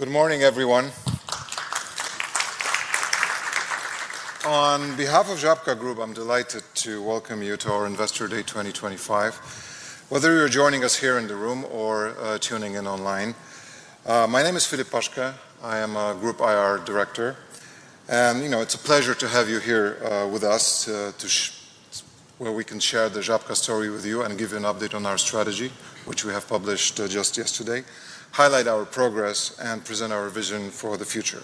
Good morning, everyone. On behalf of Żabka Group, I'm delighted to welcome you to our Investor Day 2025. Whether you're joining us here in the room or tuning in online, my name is Filip Paszke. I am Group IR Director. It's a pleasure to have you here with us, where we can share the Żabka story with you and give you an update on our strategy, which we have published just yesterday, highlight our progress, and present our vision for the future.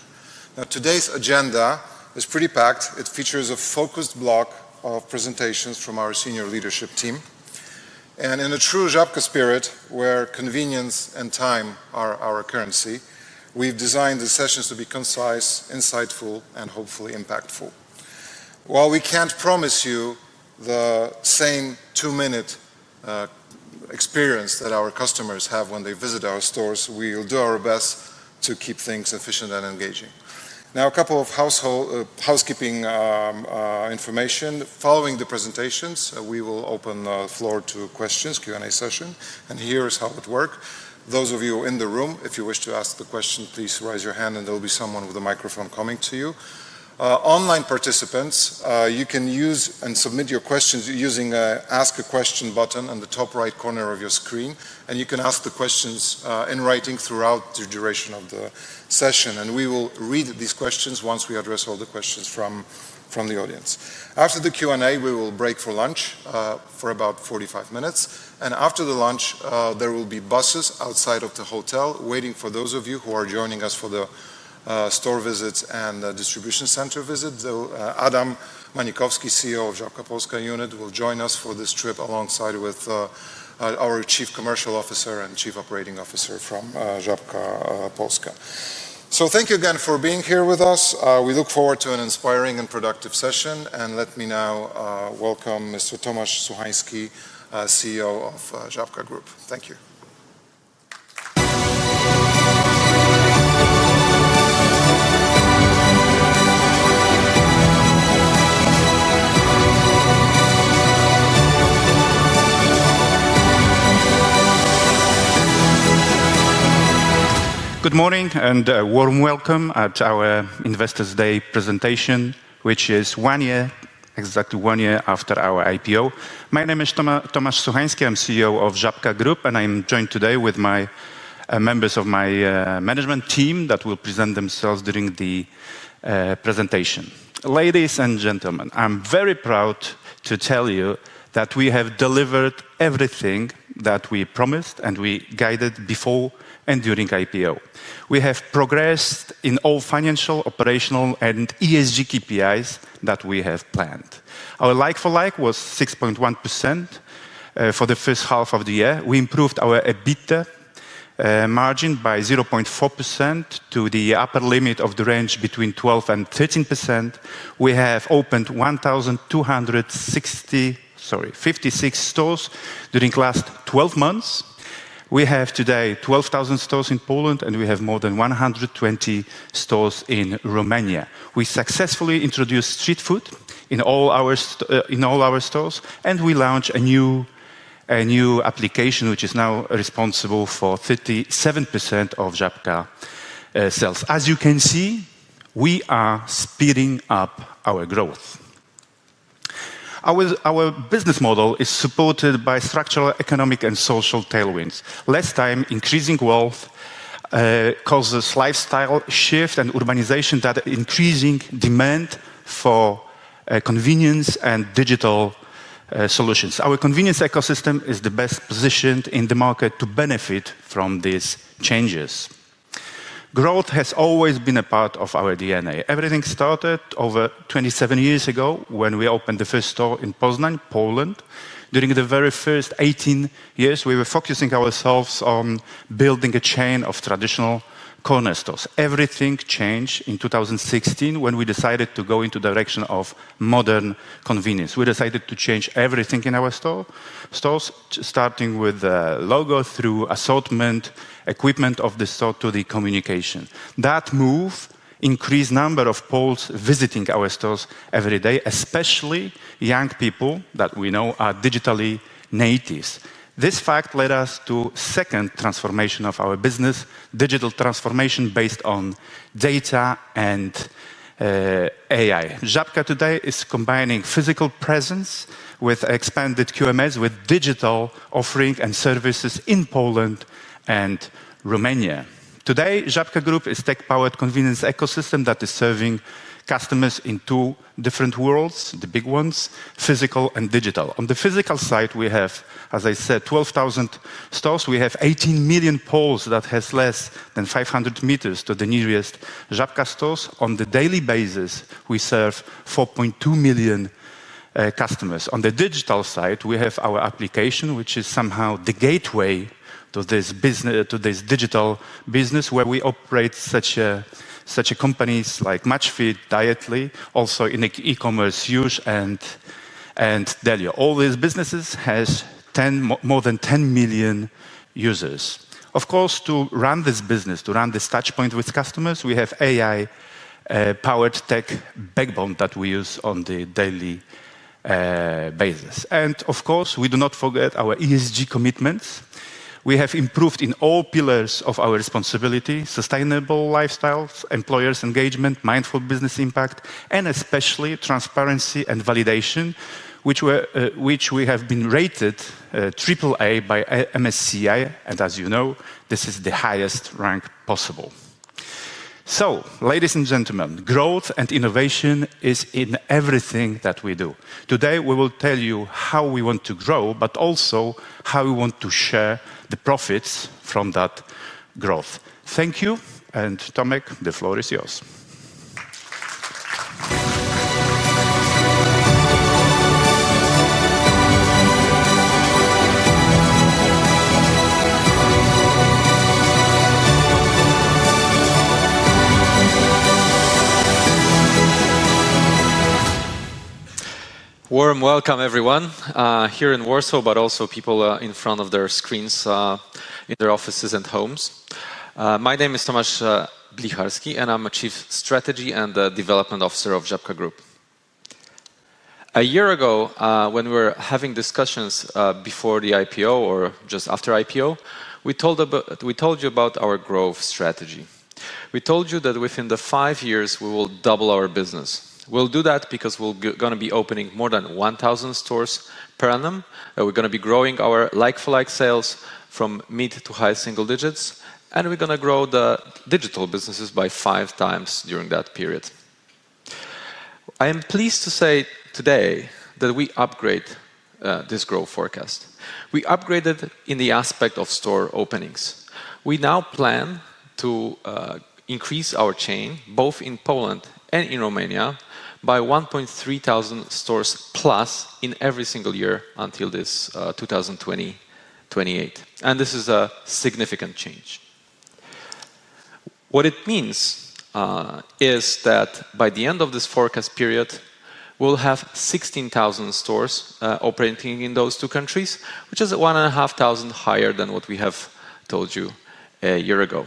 Today's agenda is pretty packed. It features a focused block of presentations from our senior leadership team. In a true Żabka spirit, where convenience and time are our currency, we've designed the sessions to be concise, insightful, and hopefully impactful. While we can't promise you the same two-minute experience that our customers have when they visit our stores, we'll do our best to keep things efficient and engaging. A couple of housekeeping information. Following the presentations, we will open the floor to questions, Q&A session. Here's how it works. Those of you in the room, if you wish to ask a question, please raise your hand and there'll be someone with a microphone coming to you. Online participants, you can use and submit your questions using the Ask a Question button on the top right corner of your screen. You can ask the questions in writing throughout the duration of the session. We will read these questions once we address all the questions from the audience. After the Q&A, we will break for lunch for about 45 minutes. After the lunch, there will be buses outside of the hotel waiting for those of you who are joining us for the store visits and the distribution center visits. Adam Manikowski, CEO of Żabka Polska, will join us for this trip alongside our Chief Commercial Officer and Chief Operating Officer from Żabka Polska. Thank you again for being here with us. We look forward to an inspiring and productive session. Let me now welcome Mr. Tomasz Suchański, CEO of Żabka Group. Thank you. Good morning and a warm welcome at our Investor's Day presentation, which is one year, exactly one year after our IPO. My name is Tomasz Suchański. I'm CEO of Żabka Group, and I'm joined today with the members of my management team that will present themselves during the presentation. Ladies and gentlemen, I'm very proud to tell you that we have delivered everything that we promised and we guided before and during IPO. We have progressed in all financial, operational, and ESG KPIs that we have planned. Our Like-for-Like was 6.1% for the first half of the year. We improved our EBITDA margin by 0.4% to the upper limit of the range between 12% and 13%. We have opened 1,256 stores during the last 12 months. We have today 12,000 stores in Poland, and we have more than 120 stores in Romania. We successfully introduced street food in all our stores, and we launched a new application, which is now responsible for 37% of Żabka sales. As you can see, we are speeding up our growth. Our business model is supported by structural, economic, and social tailwinds. Less time, increasing wealth causes lifestyle shifts and urbanization that increase demand for convenience and digital solutions. Our convenience ecosystem is the best positioned in the market to benefit from these changes. Growth has always been a part of our DNA. Everything started over 27 years ago when we opened the first store in Poznań, Poland. During the very first 18 years, we were focusing ourselves on building a chain of traditional corner stores. Everything changed in 2016 when we decided to go into the direction of modern convenience. We decided to change everything in our stores, starting with the logo through assortment, equipment of the store, to the communication. That move increased the number of Poles visiting our stores every day, especially young people that we know are digitally native. This fact led us to the second transformation of our business, digital transformation based on data and AI. Żabka today is combining physical presence with expanded QMS with digital offerings and services in Poland and Romania. Today, Żabka Group is a tech-powered convenience ecosystem that is serving customers in two different worlds, the big ones, physical and digital. On the physical side, we have, as I said, 12,000 stores. We have 18 million Poles that have less than 500 meters to the nearest Żabka store. On a daily basis, we serve 4.2 million customers. On the digital side, we have our application, which is somehow the gateway to this digital business where we operate such companies like Maczfit, Dietly, also in e-commerce, Jush!, and delio. All these businesses have more than 10 million users. Of course, to run this business, to run this touchpoint with customers, we have an AI-powered tech backbone that we use on a daily basis. We do not forget our ESG commitments. We have improved in all pillars of our responsibility: sustainable lifestyle, employers' engagement, mindful business impact, and especially transparency and validation, for which we have been rated AAA by MSCI. As you know, this is the highest rank possible. Ladies and gentlemen, growth and innovation are in everything that we do. Today, we will tell you how we want to grow, but also how we want to share the profits from that growth. Thank you, and Tomasz, the floor is yours. Warm welcome, everyone, here in Warsaw, but also people in front of their screens in their offices and homes. My name is Tomasz Blicharski, and I'm Chief Strategy and Development Officer of Żabka Group. A year ago, when we were having discussions before the IPO or just after IPO, we told you about our growth strategy. We told you that within five years, we will double our business. We will do that because we are going to be opening more than 1,000 stores per annum. We are going to be growing our Like-for-Like sales from mid to high single digits, and we are going to grow the digital businesses by five times during that period. I am pleased to say today that we upgraded this growth forecast. We upgraded in the aspect of store openings. We now plan to increase our chain, both in Poland and in Romania, by 1,300 stores plus in every single year until 2028. This is a significant change. What it means is that by the end of this forecast period, we will have 16,000 stores operating in those two countries, which is 1,500 higher than what we have told you a year ago.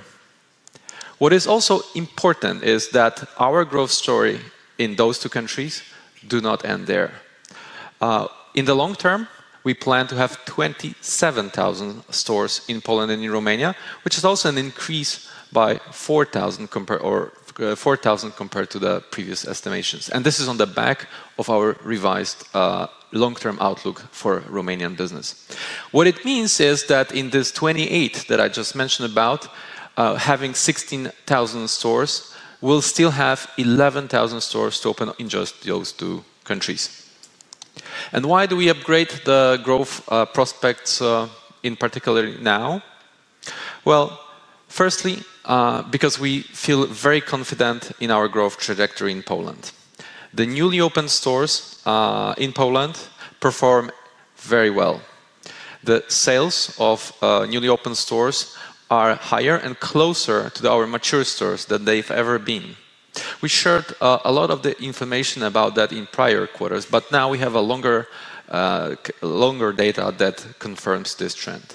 What is also important is that our growth story in those two countries does not end there. In the long term, we plan to have 27,000 stores in Poland and in Romania, which is also an increase by 4,000 compared to the previous estimations. This is on the back of our revised long-term outlook for Romanian business. What it means is that in this 2028 that I just mentioned about, having 16,000 stores, we will still have 11,000 stores to open in just those two countries. Why do we upgrade the growth prospects in particular now? Firstly, because we feel very confident in our growth trajectory in Poland. The newly opened stores in Poland perform very well. The sales of newly opened stores are higher and closer to our mature stores than they've ever been. We shared a lot of the information about that in prior quarters, but now we have longer data that confirms this trend.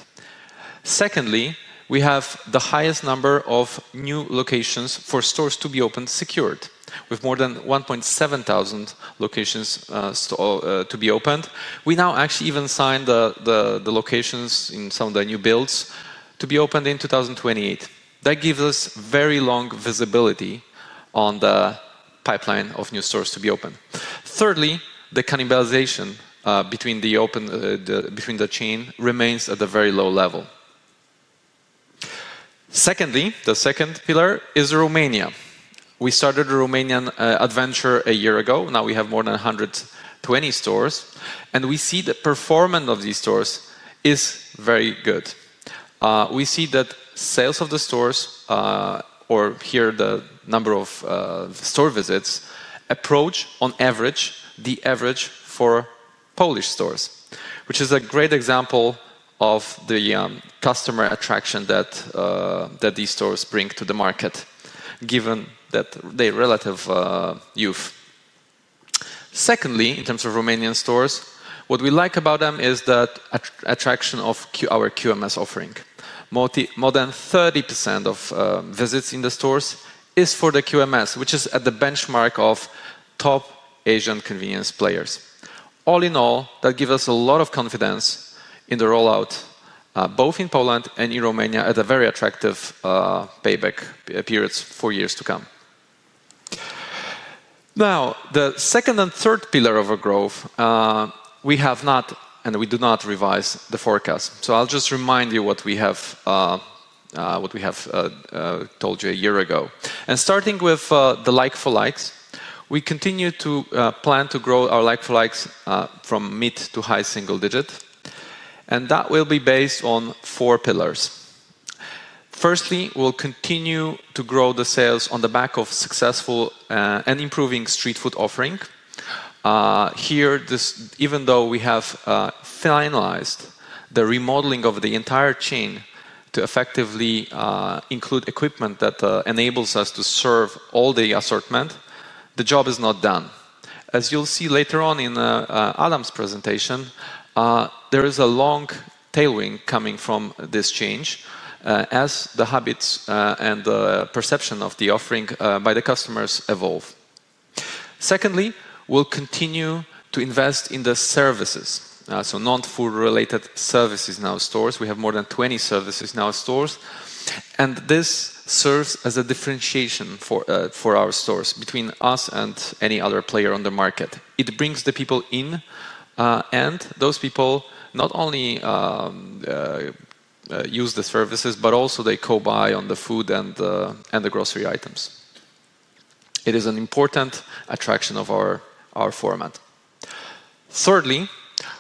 Secondly, we have the highest number of new locations for stores to be opened secured, with more than 1,700 locations to be opened. We now actually even signed the locations in some of the new builds to be opened in 2028. That gives us very long visibility on the pipeline of new stores to be opened. Thirdly, the cannibalization between the chain remains at a very low level. The second pillar is Romania. We started the Romanian adventure a year ago. Now we have more than 120 stores, and we see the performance of these stores is very good. We see that sales of the stores, or here the number of store visits, approach on average the average for Polish stores, which is a great example of the customer attraction that these stores bring to the market, given that they're relative youth. In terms of Romanian stores, what we like about them is the attraction of our QMS offering. More than 30% of visits in the stores are for the QMS, which is at the benchmark of top Asian convenience players. All in all, that gives us a lot of confidence in the rollout, both in Poland and in Romania, at a very attractive payback period for years to come. The second and third pillar of our growth, we have not, and we do not revise the forecast. I'll just remind you what we have told you a year ago. Starting with the Like-for-Likes, we continue to plan to grow our Like-for-Likes from mid to high single digits. That will be based on four pillars. Firstly, we'll continue to grow the sales on the back of successful and improving street food offering. Here, even though we have finalized the remodeling of the entire chain to effectively include equipment that enables us to serve all the assortment, the job is not done. As you'll see later on in Adam's presentation, there is a long tailwind coming from this change as the habits and the perception of the offering by the customers evolve. Secondly, we'll continue to invest in the services, so non-food-related services in our stores. We have more than 20 services in our stores. This serves as a differentiation for our stores between us and any other player on the market. It brings the people in, and those people not only use the services, but also they co-buy on the food and the grocery items. It is an important attraction of our format. Thirdly,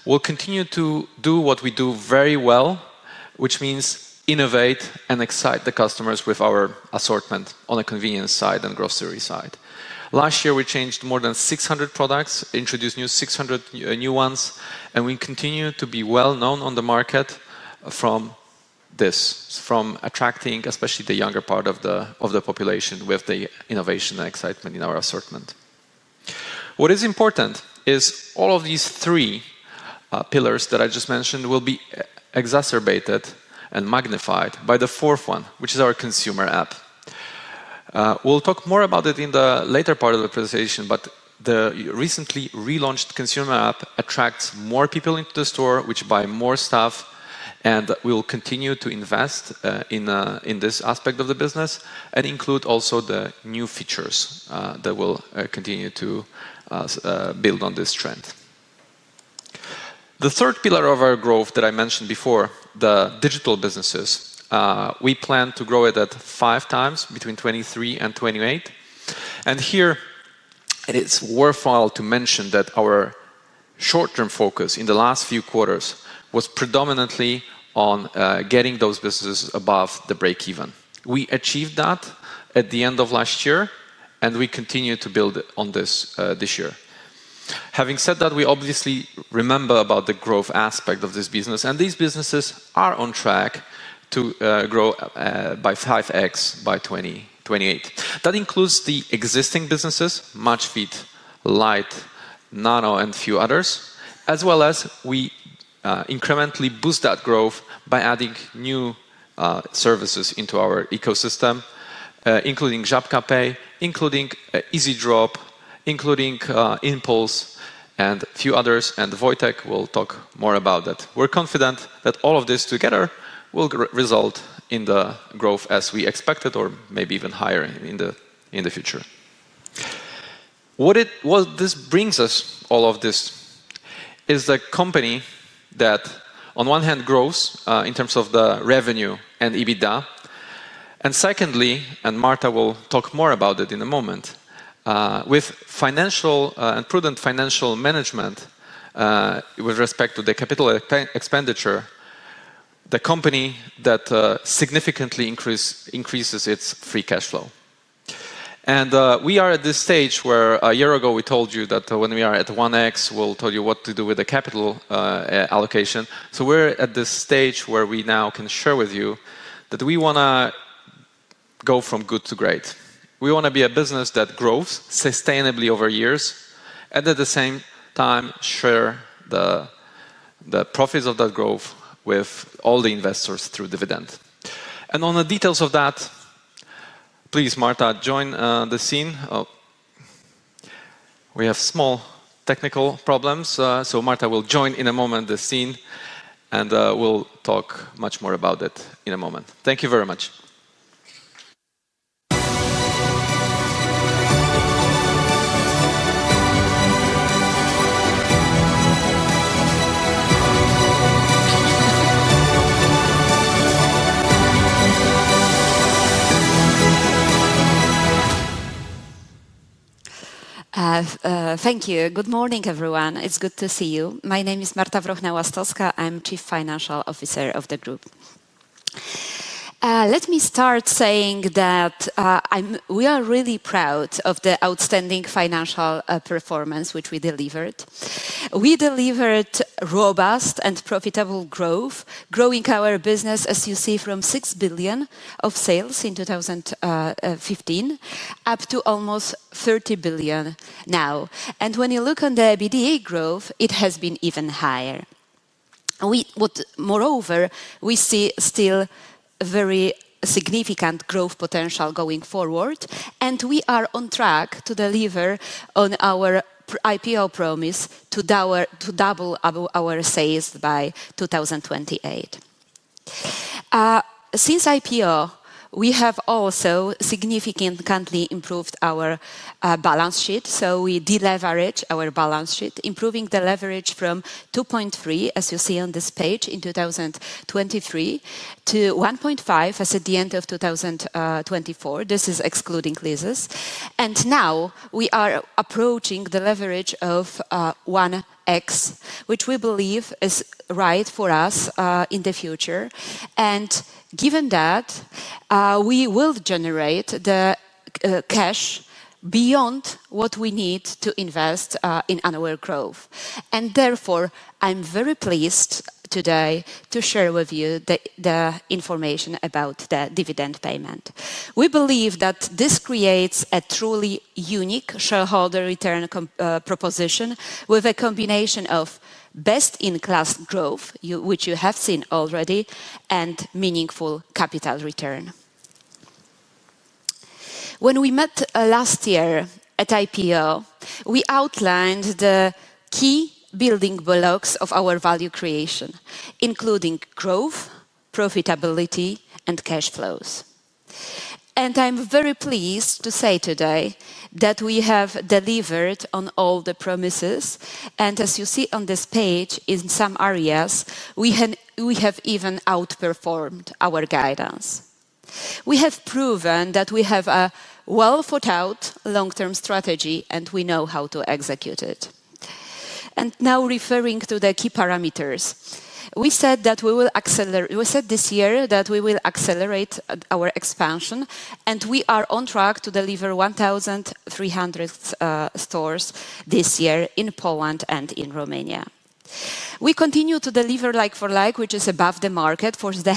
we'll continue to do what we do very well, which means innovate and excite the customers with our assortment on the convenience side and grocery side. Last year, we changed more than 600 products, introduced 600 new ones, and we continue to be well known on the market for this, for attracting especially the younger part of the population with the innovation and excitement in our assortment. What is important is all of these three pillars that I just mentioned will be exacerbated and magnified by the fourth one, which is our consumer app. We'll talk more about it in the later part of the presentation, but the recently relaunched consumer app attracts more people into the store, who buy more stuff, and we'll continue to invest in this aspect of the business and include also the new features that will continue to build on this trend. The third pillar of our growth that I mentioned before, the digital businesses, we plan to grow it at 5x between 2023 and 2028. Here, it's worthwhile to mention that our short-term focus in the last few quarters was predominantly on getting those businesses above the break-even. We achieved that at the end of last year, and we continue to build on this this year. Having said that, we obviously remember the growth aspect of this business, and these businesses are on track to grow by 5x by 2028. That includes the existing businesses, Maczfit, Lite, Nano, and a few others, as well as we incrementally boost that growth by adding new services into our ecosystem, including Żappka Pay, including EasyDrop, including In-Pulse, and a few others. Wojciech will talk more about that. We are confident that all of this together will result in the growth as we expected, or maybe even higher in the future. What this brings us, all of this, is a company that on one hand grows in terms of the revenue and EBITDA, and secondly, and Marta will talk more about it in a moment, with financial and prudent financial management with respect to the capital expenditure, the company that significantly increases its free cash flow. We are at this stage where a year ago we told you that when we are at 1x, we'll tell you what to do with the capital allocation. We're at this stage where we now can share with you that we want to go from good to great. We want to be a business that grows sustainably over years, and at the same time, share the profits of that growth with all the investors through dividend. On the details of that, please, Marta, join the scene. We have small technical problems, so Marta will join in a moment the scene, and we'll talk much more about it in a moment. Thank you very much. Thank you. Good morning, everyone. It's good to see you. My name is Marta Wrochna-Łastowska. I'm Chief Financial Officer of the Group. Let me start saying that we are really proud of the outstanding financial performance which we delivered. We delivered robust and profitable growth, growing our business, as you see, from 6 billion of sales in 2015 up to almost 30 billion now. When you look on the EBITDA growth, it has been even higher. Moreover, we see still a very significant growth potential going forward, and we are on track to deliver on our IPO promise to double our sales by 2028. Since IPO, we have also significantly improved our balance sheet. We deleveraged our balance sheet, improving the leverage from 2.3, as you see on this page, in 2023, to 1.5 at the end of 2024. This is excluding leases. Now we are approaching the leverage of 1x, which we believe is right for us in the future. Given that, we will generate the cash beyond what we need to invest in our growth. Therefore, I'm very pleased today to share with you the information about the dividend payment. We believe that this creates a truly unique shareholder return proposition with a combination of best-in-class growth, which you have seen already, and meaningful capital return. When we met last year at IPO, we outlined the key building blocks of our value creation, including growth, profitability, and cash flows. I'm very pleased to say today that we have delivered on all the promises. As you see on this page, in some areas, we have even outperformed our guidance. We have proven that we have a well-thought-out long-term strategy, and we know how to execute it. Referring to the key parameters, we said that we will accelerate, we said this year that we will accelerate our expansion, and we are on track to deliver 1,300 stores this year in Poland and in Romania. We continue to deliver Like-for-Like, which is above the market. For the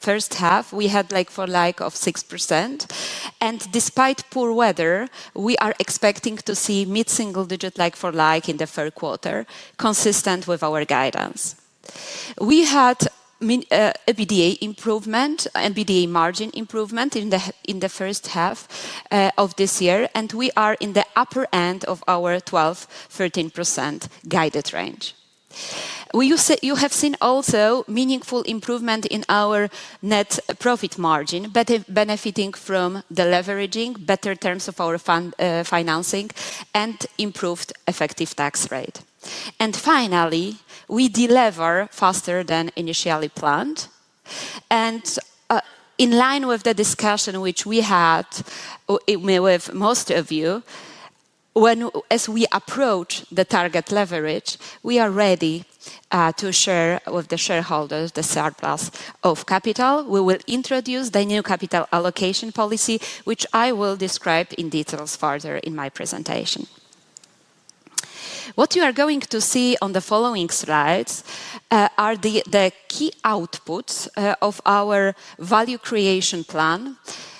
first half, we had Like-for-Like of 6%. Despite poor weather, we are expecting to see mid-single-digit Like-for-Like in the third quarter, consistent with our guidance. We had EBITDA improvement and EBITDA margin improvement in the first half of this year, and we are in the upper end of our 12%-13% guided range. You have seen also meaningful improvement in our net profit margin, benefiting from the leveraging, better terms of our financing, and improved effective tax rate. Finally, we deliver faster than initially planned. In line with the discussion which we had with most of you, as we approach the target leverage, we are ready to share with the shareholders the surplus of capital. We will introduce the new capital allocation policy, which I will describe in detail further in my presentation. What you are going to see on the following slides are the key outputs of our value creation plan,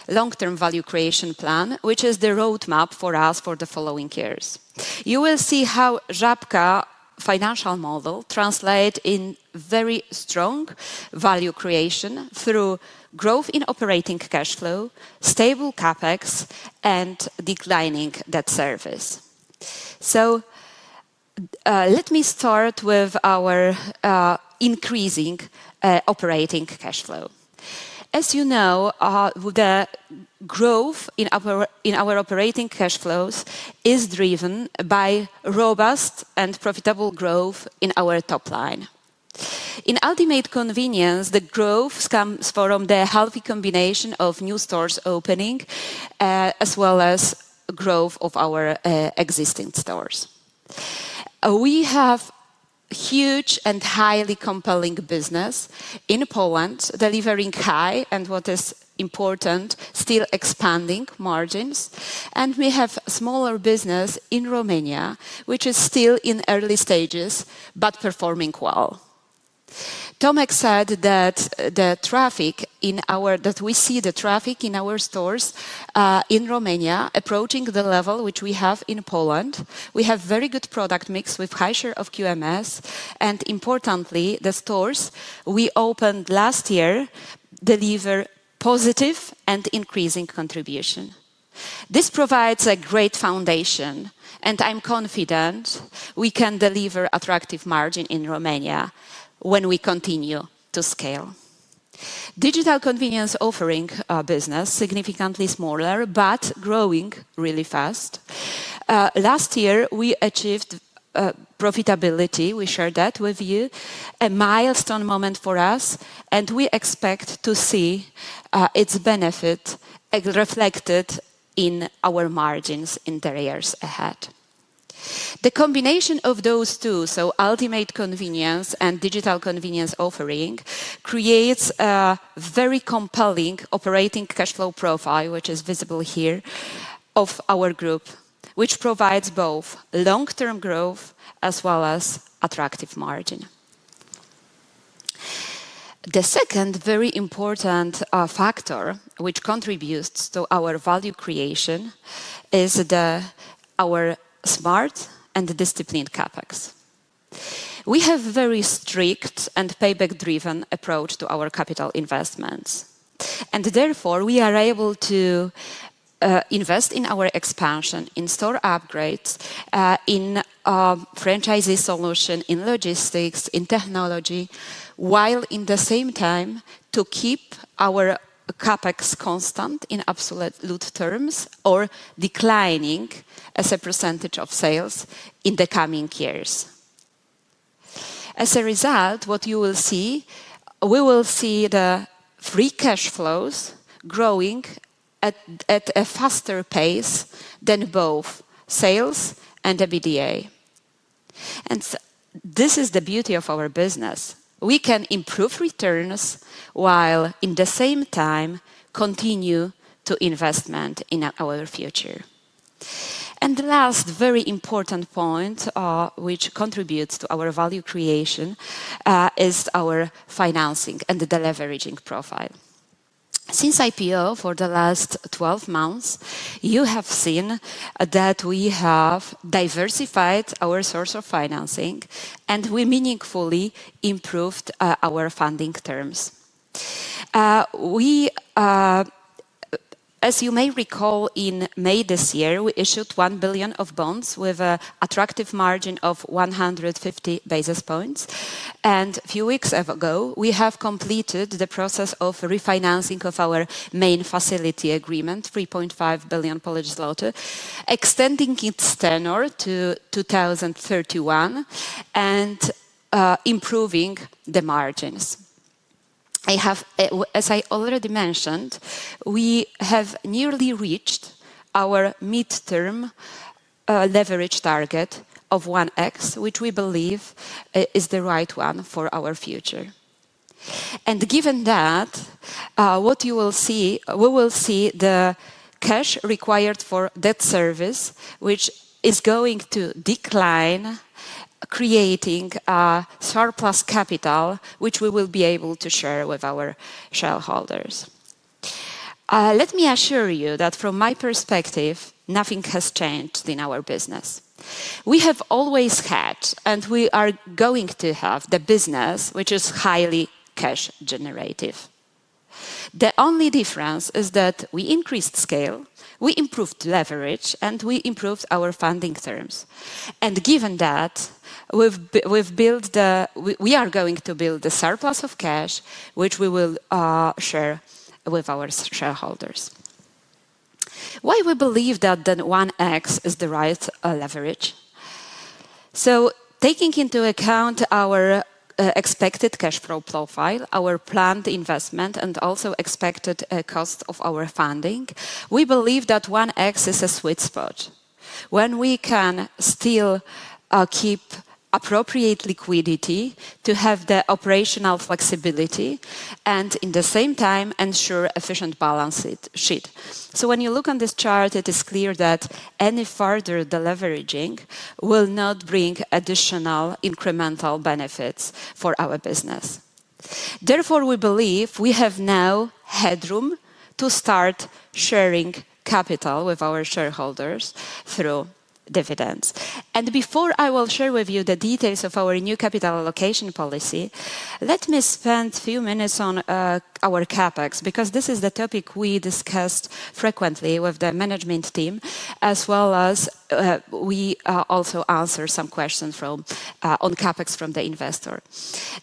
long-term value creation plan, which is the roadmap for us for the following years. You will see how Żabka's financial model translates in very strong value creation through growth in operating cash flow, stable CapEx, and declining debt service. Let me start with our increasing operating cash flow. As you know, the growth in our operating cash flows is driven by robust and profitable growth in our top line. In ultimate convenience, the growth comes from the healthy combination of new stores opening, as well as growth of our existing stores. We have a huge and highly compelling business in Poland, delivering high and, what is important, still expanding margins. We have a smaller business in Romania, which is still in early stages, but performing well. Tomacz said that we see the traffic in our stores in Romania approaching the level which we have in Poland. We have a very good product mix with a high share of QMS. Importantly, the stores we opened last year deliver positive and increasing contribution. This provides a great foundation, and I'm confident we can deliver attractive margin in Romania when we continue to scale. Digital convenience offering business is significantly smaller, but growing really fast. Last year, we achieved profitability. We shared that with you, a milestone moment for us, and we expect to see its benefit reflected in our margins in the years ahead. The combination of those two, so ultimate convenience and digital convenience offering, creates a very compelling operating cash flow profile, which is visible here of our group, which provides both long-term growth as well as attractive margin. The second very important factor which contributes to our value creation is our smart and disciplined CapEx. We have a very strict and payback-driven approach to our capital investments. Therefore, we are able to invest in our expansion, in store upgrades, in franchisee solution, in logistics, in technology, while at the same time keeping our CapEx constant in absolute terms or declining as a percentage of sales in the coming years. As a result, what you will see, we will see the free cash flows growing at a faster pace than both sales and EBITDA. This is the beauty of our business. We can improve returns while at the same time continuing to invest in our future. The last very important point which contributes to our value creation is our financing and the leveraging profile. Since IPO for the last 12 months, you have seen that we have diversified our source of financing, and we meaningfully improved our funding terms. As you may recall, in May this year, we issued 1 billion of bonds with an attractive margin of 150 basis points. A few weeks ago, we have completed the process of refinancing of our main facility agreement, 3.5 billion Polish zloty, extending its tenor to 2031 and improving the margins. As I already mentioned, we have nearly reached our mid-term leverage target of 1x, which we believe is the right one for our future. Given that, what you will see, we will see the cash required for debt service, which is going to decline, creating surplus capital, which we will be able to share with our shareholders. Let me assure you that from my perspective, nothing has changed in our business. We have always had, and we are going to have the business which is highly cash-generative. The only difference is that we increased scale, we improved leverage, and we improved our funding terms. Given that, we are going to build the surplus of cash, which we will share with our shareholders. Why we believe that 1x is the right leverage? Taking into account our expected cash flow profile, our planned investment, and also expected cost of our funding, we believe that 1x is a sweet spot when we can still keep appropriate liquidity to have the operational flexibility, and at the same time, ensure efficient balance sheet. When you look on this chart, it is clear that any further leveraging will not bring additional incremental benefits for our business. Therefore, we believe we have now headroom to start sharing capital with our shareholders through dividends. Before I will share with you the details of our new capital allocation policy, let me spend a few minutes on our CapEx, because this is the topic we discuss frequently with the management team, as well as we also answer some questions on CapEx from the investor.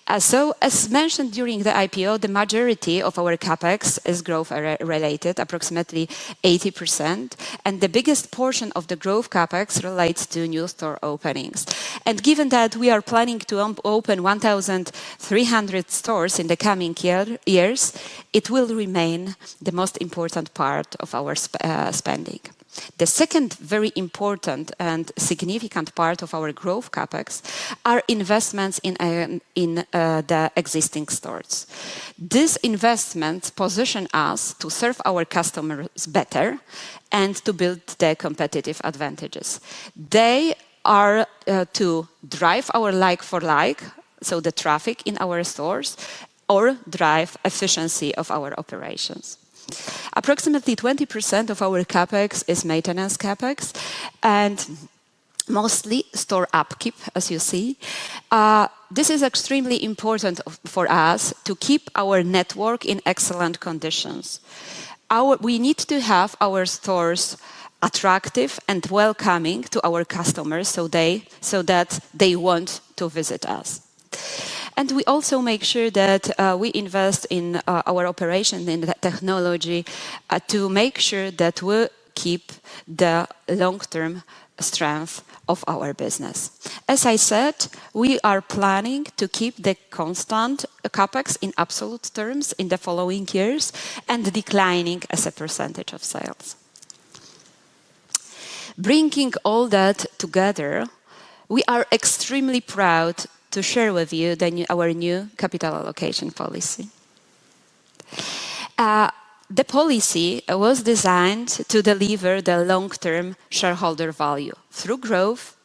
As mentioned during the IPO, the majority of our CapEx is growth-related, approximately 80%. The biggest portion of the growth CapEx relates to new store openings. Given that we are planning to open 1,300 stores in the coming years, it will remain the most important part of our spending. The second very important and significant part of our growth CapEx is investment in the existing stores. These investments position us to serve our customers better and to build their competitive advantages. They are to drive our Like-for-Like, so the traffic in our stores, or drive efficiency of our operations. Approximately 20% of our CapEx is maintenance CapEx, and mostly store upkeep, as you see. This is extremely important for us to keep our network in excellent conditions. We need to have our stores attractive and welcoming to our customers so that they want to visit us. We also make sure that we invest in our operation and technology to make sure that we keep the long-term strength of our business. As I said, we are planning to keep the constant CapEx in absolute terms in the following years and declining as a percentage of sales. Bringing all that together, we are extremely proud to share with you our new capital allocation policy. The policy was designed to deliver the long-term shareholder value through growth.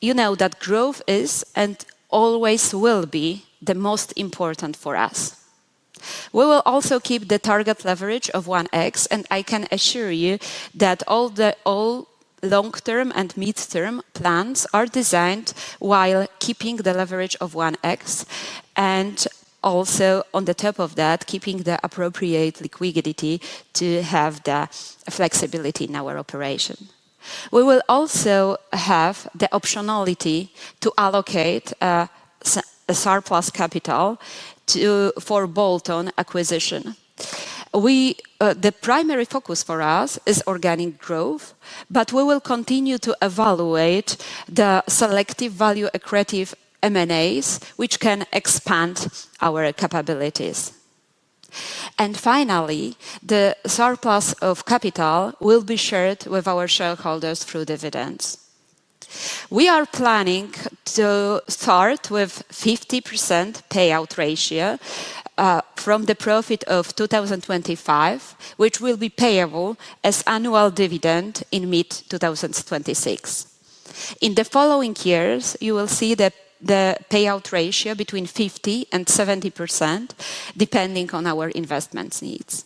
You know that growth is and always will be the most important for us. We will also keep the target leverage of 1x, and I can assure you that all long-term and mid-term plans are designed while keeping the leverage of 1x. On top of that, keeping the appropriate liquidity to have the flexibility in our operation. We will also have the optionality to allocate surplus capital for bolt-on acquisition. The primary focus for us is organic growth, but we will continue to evaluate the selective value accretive M&As, which can expand our capabilities. Finally, the surplus of capital will be shared with our shareholders through dividends. We are planning to start with a 50% payout ratio from the profit of 2025, which will be payable as annual dividend in mid-2026. In the following years, you will see the payout ratio between 50% and 70%, depending on our investment needs.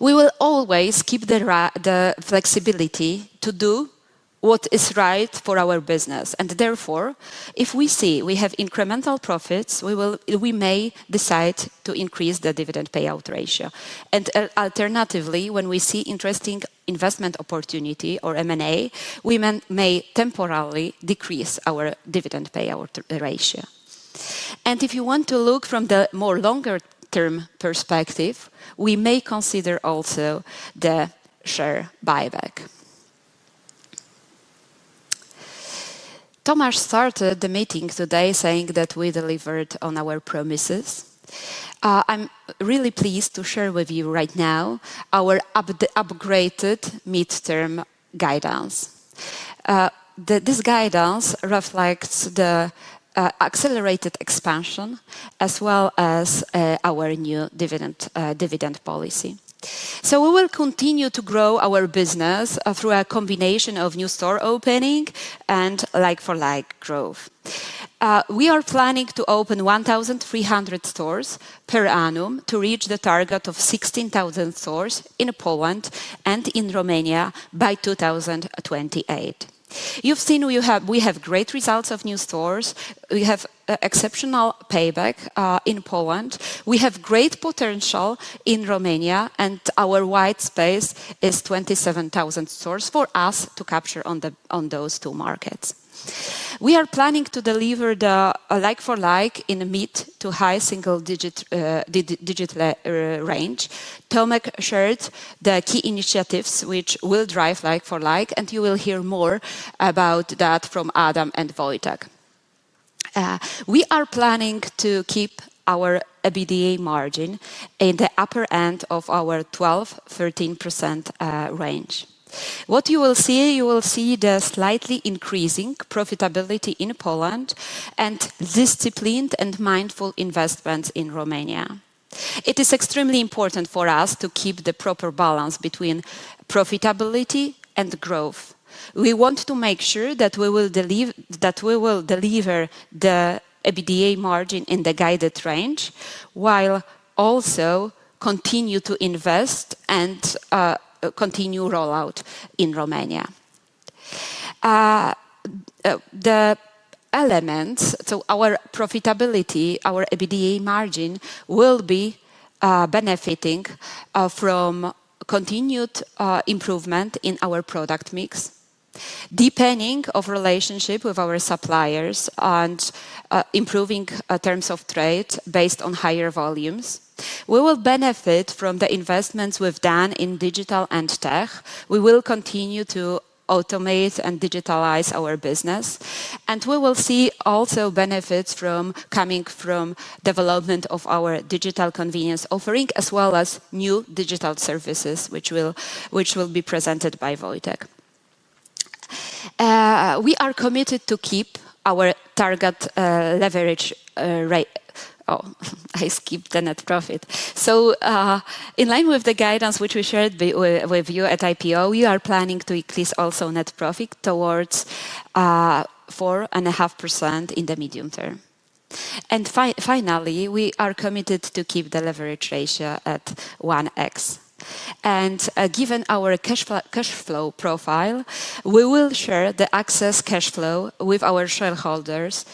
We will always keep the flexibility to do what is right for our business. Therefore, if we see we have incremental profits, we may decide to increase the dividend payout ratio. Alternatively, when we see interesting investment opportunity or M&A, we may temporarily decrease our dividend payout ratio. If you want to look from the more longer-term perspective, we may consider also the share buyback. Tomasz started the meeting today saying that we delivered on our promises. I'm really pleased to share with you right now our upgraded mid-term guidance. This guidance reflects the accelerated expansion, as well as our new dividend policy. We will continue to grow our business through a combination of new store opening and Like-for-Like growth. We are planning to open 1,300 stores per annum to reach the target of 16,000 stores in Poland and in Romania by 2028. You've seen we have great results of new stores. We have exceptional payback in Poland. We have great potential in Romania, and our white space is 27,000 stores for us to capture on those two markets. We are planning to deliver the Like-for-Like in the mid to high single-digit range. Tomaczshared the key initiatives which will drive Like-for-Like, and you will hear more about that from Adam and Wojciech. We are planning to keep our EBITDA margin in the upper end of our 12%-13% range. What you will see, you will see the slightly increasing profitability in Poland and disciplined and mindful investments in Romania. It is extremely important for us to keep the proper balance between profitability and growth. We want to make sure that we will deliver the EBITDA margin in the guided range, while also continuing to invest and continuing rollout in Romania. Our profitability, our EBITDA margin will be benefiting from continued improvement in our product mix, depending on relationships with our suppliers and improving terms of trade based on higher volumes. We will benefit from the investments we've done in digital and tech. We will continue to automate and digitalize our business. We will see also benefits coming from the development of our digital convenience offering, as well as new digital services, which will be presented by Wojciech. We are committed to keeping our target leverage rate. I skipped the net profit. In line with the guidance which we shared with you at IPO, we are planning to increase also net profit towards 4.5% in the medium term. Finally, we are committed to keeping the leverage ratio at 1x. Given our cash flow profile, we will share the excess cash flow with our shareholders,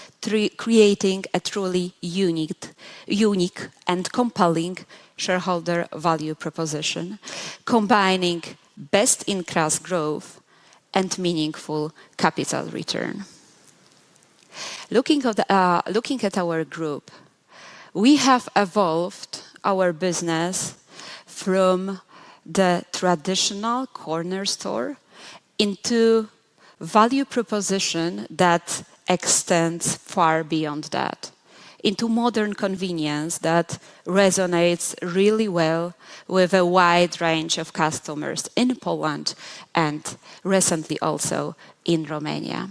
creating a truly unique and compelling shareholder value proposition, combining best-in-class growth and meaningful capital return. Looking at our group, we have evolved our business from the traditional corner store into a value proposition that extends far beyond that, into modern convenience that resonates really well with a wide range of customers in Poland and recently also in Romania.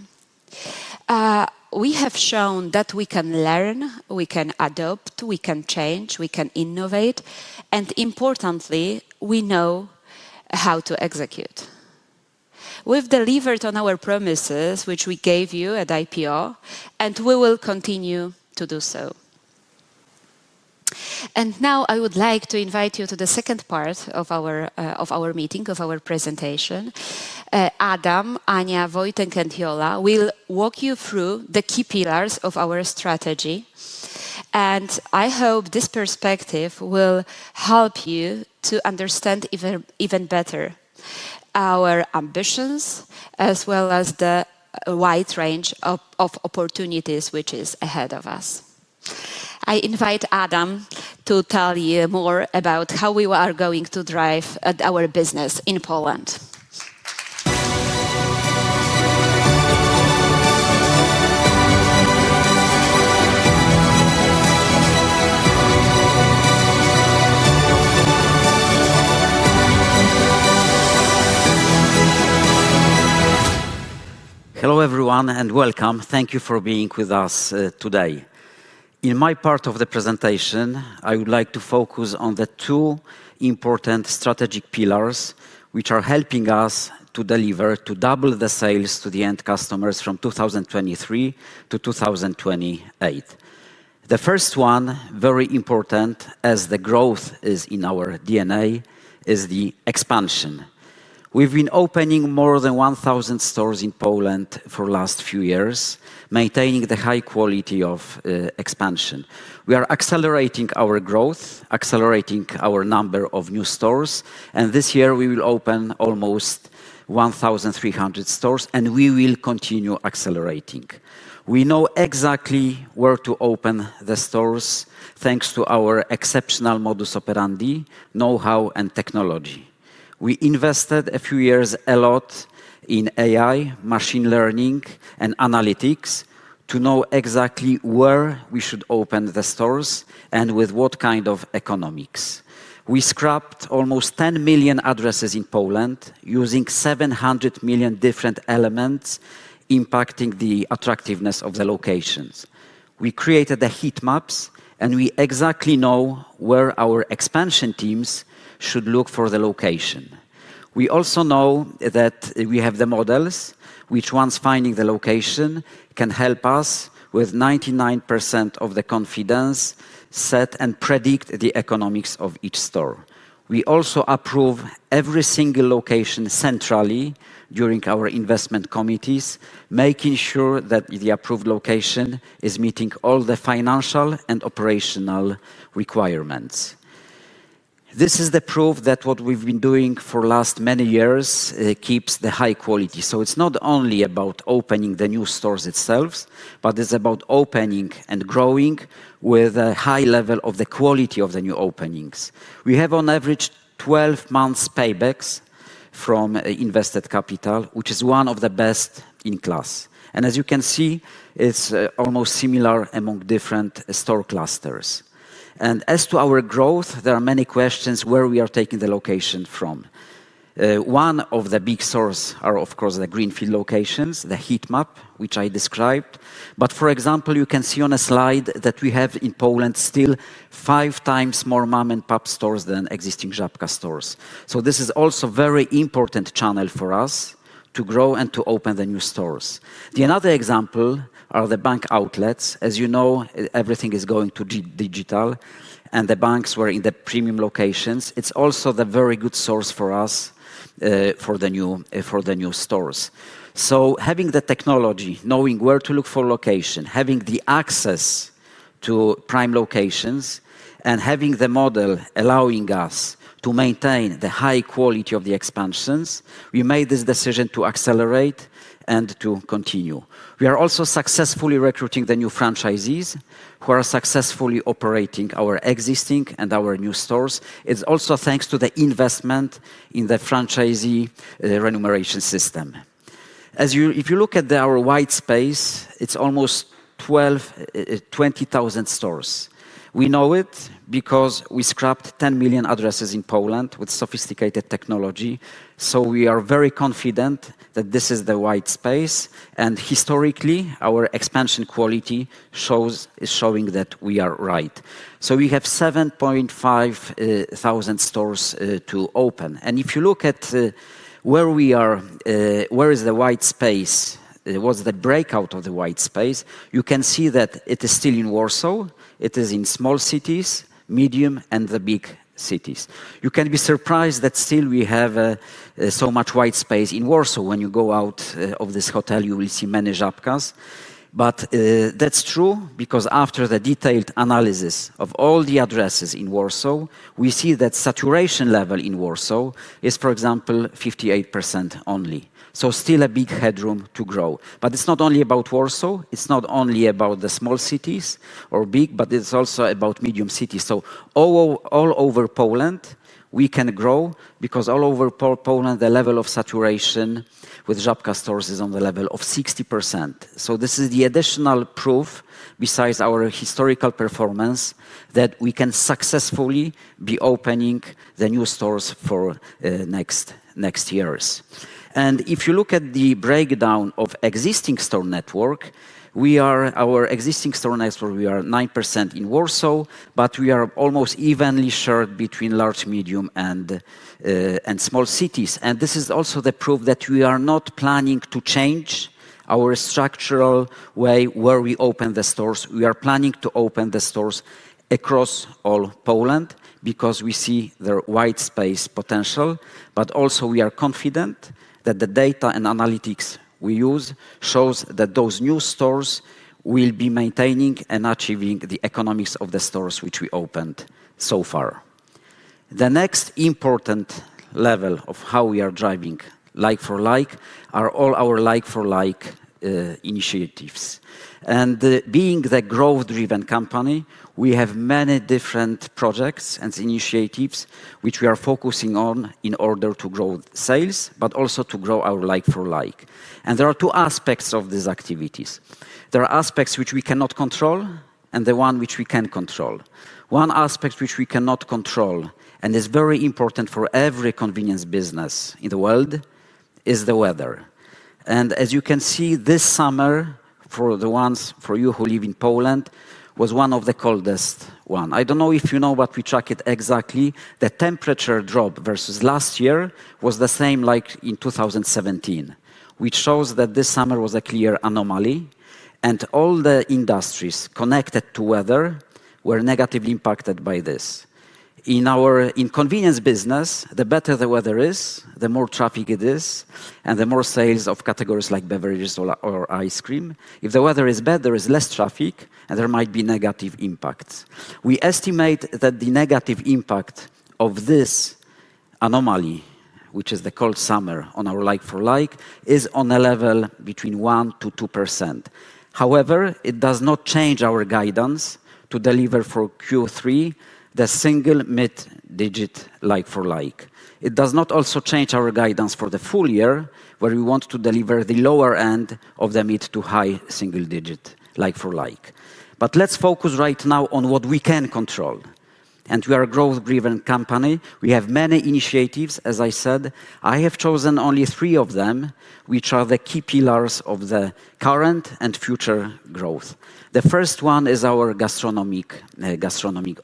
We have shown that we can learn, we can adapt, we can change, we can innovate, and importantly, we know how to execute. We've delivered on our promises, which we gave you at IPO, and we will continue to do so. Now I would like to invite you to the second part of our meeting, of our presentation. Adam, Anna, Wojciech, and Jola will walk you through the key pillars of our strategy. I hope this perspective will help you to understand even better our ambitions, as well as the wide range of opportunities which are ahead of us. I invite Adam to tell you more about how we are going to drive our business in Poland. Hello everyone, and welcome. Thank you for being with us today. In my part of the presentation, I would like to focus on the two important strategic pillars, which are helping us to deliver, to double the sales to the end customers from 2023 to 2028. The first one, very important, as the growth is in our DNA, is the expansion. We've been opening more than 1,000 stores in Poland for the last few years, maintaining the high quality of expansion. We are accelerating our growth, accelerating our number of new stores, and this year we will open almost 1,300 stores, and we will continue accelerating. We know exactly where to open the stores, thanks to our exceptional modus operandi, know-how, and technology. We invested a few years a lot in AI, machine learning, and analytics to know exactly where we should open the stores and with what kind of economics. We scrapped almost 10 million addresses in Poland, using 700 million different elements, impacting the attractiveness of the locations. We created the heat maps, and we exactly know where our expansion teams should look for the location. We also know that we have the models, which, once finding the location, can help us with 99% of the confidence, set and predict the economics of each store. We also approve every single location centrally during our investment committees, making sure that the approved location is meeting all the financial and operational requirements. This is the proof that what we've been doing for the last many years keeps the high quality. It's not only about opening the new stores itself, but it's about opening and growing with a high level of the quality of the new openings. We have on average 12 months paybacks from invested capital, which is one of the best in class. As you can see, it's almost similar among different store clusters. As to our growth, there are many questions where we are taking the location from. One of the big stores are, of course, the Greenfield locations, the heat map, which I described. For example, you can see on a slide that we have in Poland still 5x more mom-and-pop stores than existing Żabka stores. This is also a very important channel for us to grow and to open the new stores. The other example are the bank outlets. As you know, everything is going to digital, and the banks were in the premium locations. It's also a very good source for us for the new stores. Having the technology, knowing where to look for location, having the access to prime locations, and having the model allowing us to maintain the high quality of the expansions, we made this decision to accelerate and to continue. We are also successfully recruiting the new franchisees who are successfully operating our existing and our new stores. It's also thanks to the investment in the franchisee remuneration system. If you look at our white space, it's almost 20,000 stores. We know it because we scraped 10 million addresses in Poland with sophisticated technology. We are very confident that this is the right space. Historically, our expansion quality is showing that we are right. We have 7,500 stores to open. If you look at where we are, where is the white space, what's the breakout of the white space, you can see that it is still in Warsaw. It is in small cities, medium, and the big cities. You can be surprised that still we have so much white space in Warsaw. When you go out of this hotel, you will see many Żabkas. That's true because after the detailed analysis of all the addresses in Warsaw, we see that saturation level in Warsaw is, for example, 58% only. Still a big headroom to grow. It's not only about Warsaw. It's not only about the small cities or big, but it's also about medium cities. All over Poland, we can grow because all over Poland, the level of saturation with Żabka stores is on the level of 60%. This is the additional proof, besides our historical performance, that we can successfully be opening the new stores for the next years. If you look at the breakdown of existing store network, our existing store network, we are 9% in Warsaw, but we are almost evenly shared between large, medium, and small cities. This is also the proof that we are not planning to change our structural way where we open the stores. We are planning to open the stores across all Poland because we see the white space potential. We are confident that the data and analytics we use show that those new stores will be maintaining and achieving the economics of the stores which we opened so far. The next important level of how we are driving Like-for-Like are all our Like-for-Like initiatives. Being the growth-driven company, we have many different projects and initiatives which we are focusing on in order to grow sales, but also to grow our Like-for-Like. There are two aspects of these activities. There are aspects which we cannot control and the ones which we can control. One aspect which we cannot control, and it's very important for every convenience business in the world, is the weather. As you can see, this summer, for those of you who live in Poland, was one of the coldest ones. I don't know if you know what we tracked exactly. The temperature drop versus last year was the same as in 2017, which shows that this summer was a clear anomaly. All the industries connected to weather were negatively impacted by this. In our convenience business, the better the weather is, the more traffic there is, and the more sales of categories like beverages or ice cream. If the weather is bad, there is less traffic, and there might be negative impacts. We estimate that the negative impact of this anomaly, which is the cold summer on our Like-for-Like, is on a level between 1%-2%. However, it does not change our guidance to deliver for Q3 the single mid-digit Like-for-Like. It does not also change our guidance for the full year, where we want to deliver the lower end of the mid to high single-digit Like-for-Like. Let's focus right now on what we can control. We are a growth-driven company. We have many initiatives, as I said. I have chosen only three of them, which are the key pillars of the current and future growth. The first one is our gastronomic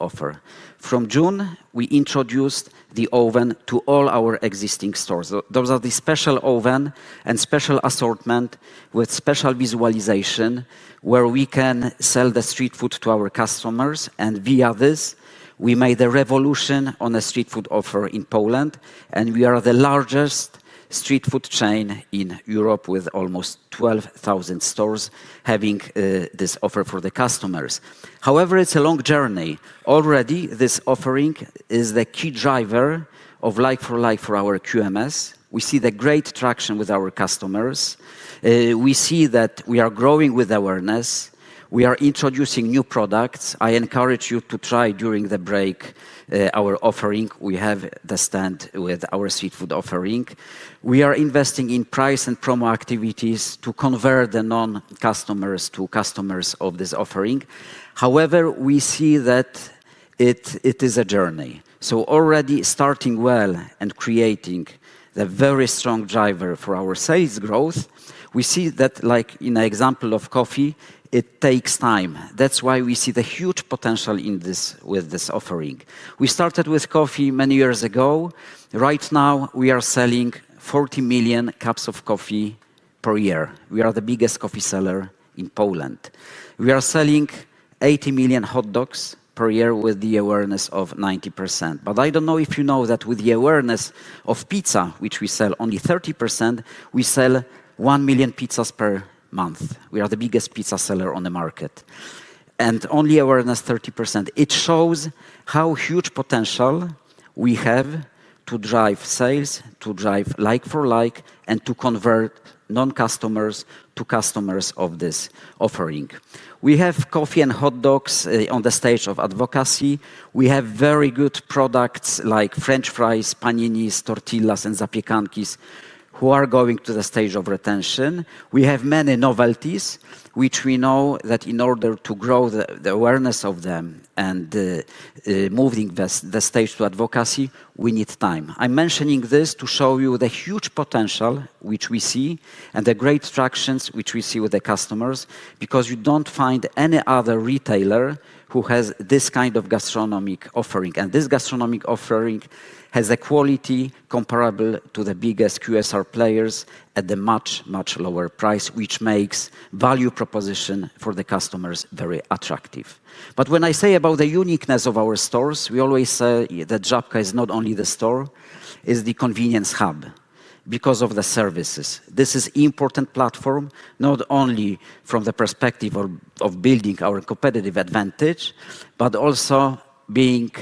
offer. From June, we introduced the oven to all our existing stores. Those are the special oven and special assortment with special visualization, where we can sell the street food to our customers. Via this, we made a revolution on the street food offer in Poland. We are the largest street food chain in Europe, with almost 12,000 stores having this offer for the customers. However, it's a long journey. Already, this offering is the key driver of Like-for-Like for our QMS. We see the great traction with our customers. We see that we are growing with awareness. We are introducing new products. I encourage you to try during the break our offering. We have the stand with our street food offering. We are investing in price and promo activities to convert the non-customers to customers of this offering. We see that it is a journey. Already starting well and creating a very strong driver for our sales growth, we see that, like in an example of coffee, it takes time. That's why we see the huge potential with this offering. We started with coffee many years ago. Right now, we are selling 40 million cups of coffee per year. We are the biggest coffee seller in Poland. We are selling 80 million hot dogs per year with the awareness of 90%. I don't know if you know that with the awareness of pizza, which we sell only 30%, we sell 1 million pizzas per month. We are the biggest pizza seller on the market, and only awareness 30%. It shows how huge potential we have to drive sales, to drive Like-for-Like, and to convert non-customers to customers of this offering. We have coffee and hot dogs on the stage of advocacy. We have very good products like French fries, paninis, tortillas, and zapiekanki, who are going to the stage of retention. We have many novelties, which we know that in order to grow the awareness of them and moving the stage to advocacy, we need time. I'm mentioning this to show you the huge potential which we see and the great tractions which we see with the customers, because you don't find any other retailer who has this kind of gastronomic offering. This gastronomic offering has a quality comparable to the biggest QSR players at the much, much lower price, which makes the value proposition for the customers very attractive. When I say about the uniqueness of our stores, we always say that Żabka is not only the store, it's the convenience hub because of the services. This is an important platform, not only from the perspective of building our competitive advantage, but also being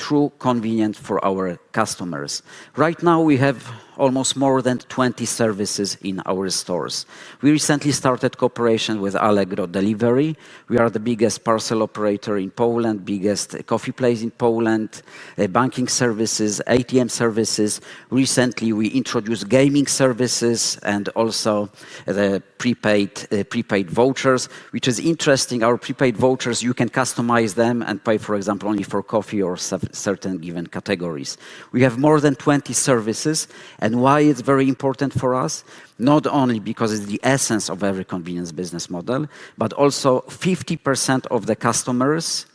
truly convenient for our customers. Right now, we have almost more than 20 services in our stores. We recently started cooperation with Allegro Delivery. We are the biggest parcel operator in Poland, biggest coffee place in Poland, banking services, ATM services. Recently, we introduced gaming services and also the prepaid vouchers, which is interesting. Our prepaid vouchers, you can customize them and pay, for example, only for coffee or certain given categories. We have more than 20 services. Why it's very important for us? Not only because it's the essence of every convenience business model, but also 50% of the customers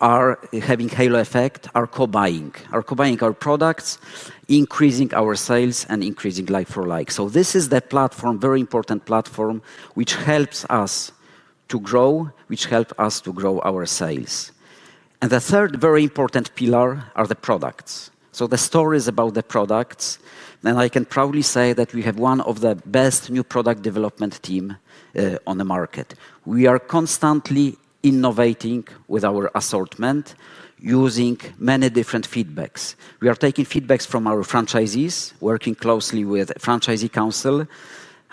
having the halo effect are co-buying, are co-buying our products, increasing our sales, and increasing Like-for-Like. This is the platform, a very important platform, which helps us to grow, which helps us to grow our sales. The third very important pillar are the products. The story is about the products. I can proudly say that we have one of the best new product development teams on the market. We are constantly innovating with our assortment, using many different feedbacks. We are taking feedbacks from our franchisees, working closely with the franchisee council.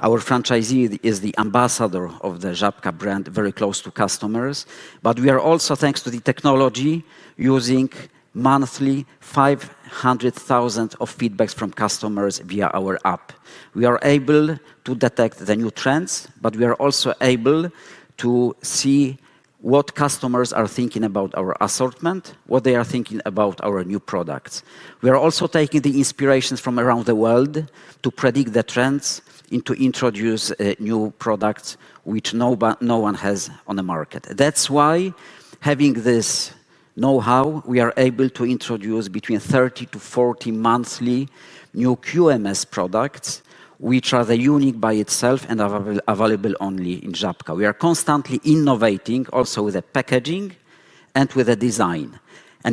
Our franchisee is the ambassador of the Żabka brand, very close to customers. Thanks to the technology, we are also using monthly 500,000 feedbacks from customers via our app. We are able to detect the new trends, and we are also able to see what customers are thinking about our assortment, what they are thinking about our new products. We are also taking the inspiration from around the world to predict the trends and to introduce new products which no one has on the market. That's why, having this know-how, we are able to introduce between 30-40 monthly new QMS products, which are unique by itself and are available only in Żabka. We are constantly innovating also with the packaging and with the design.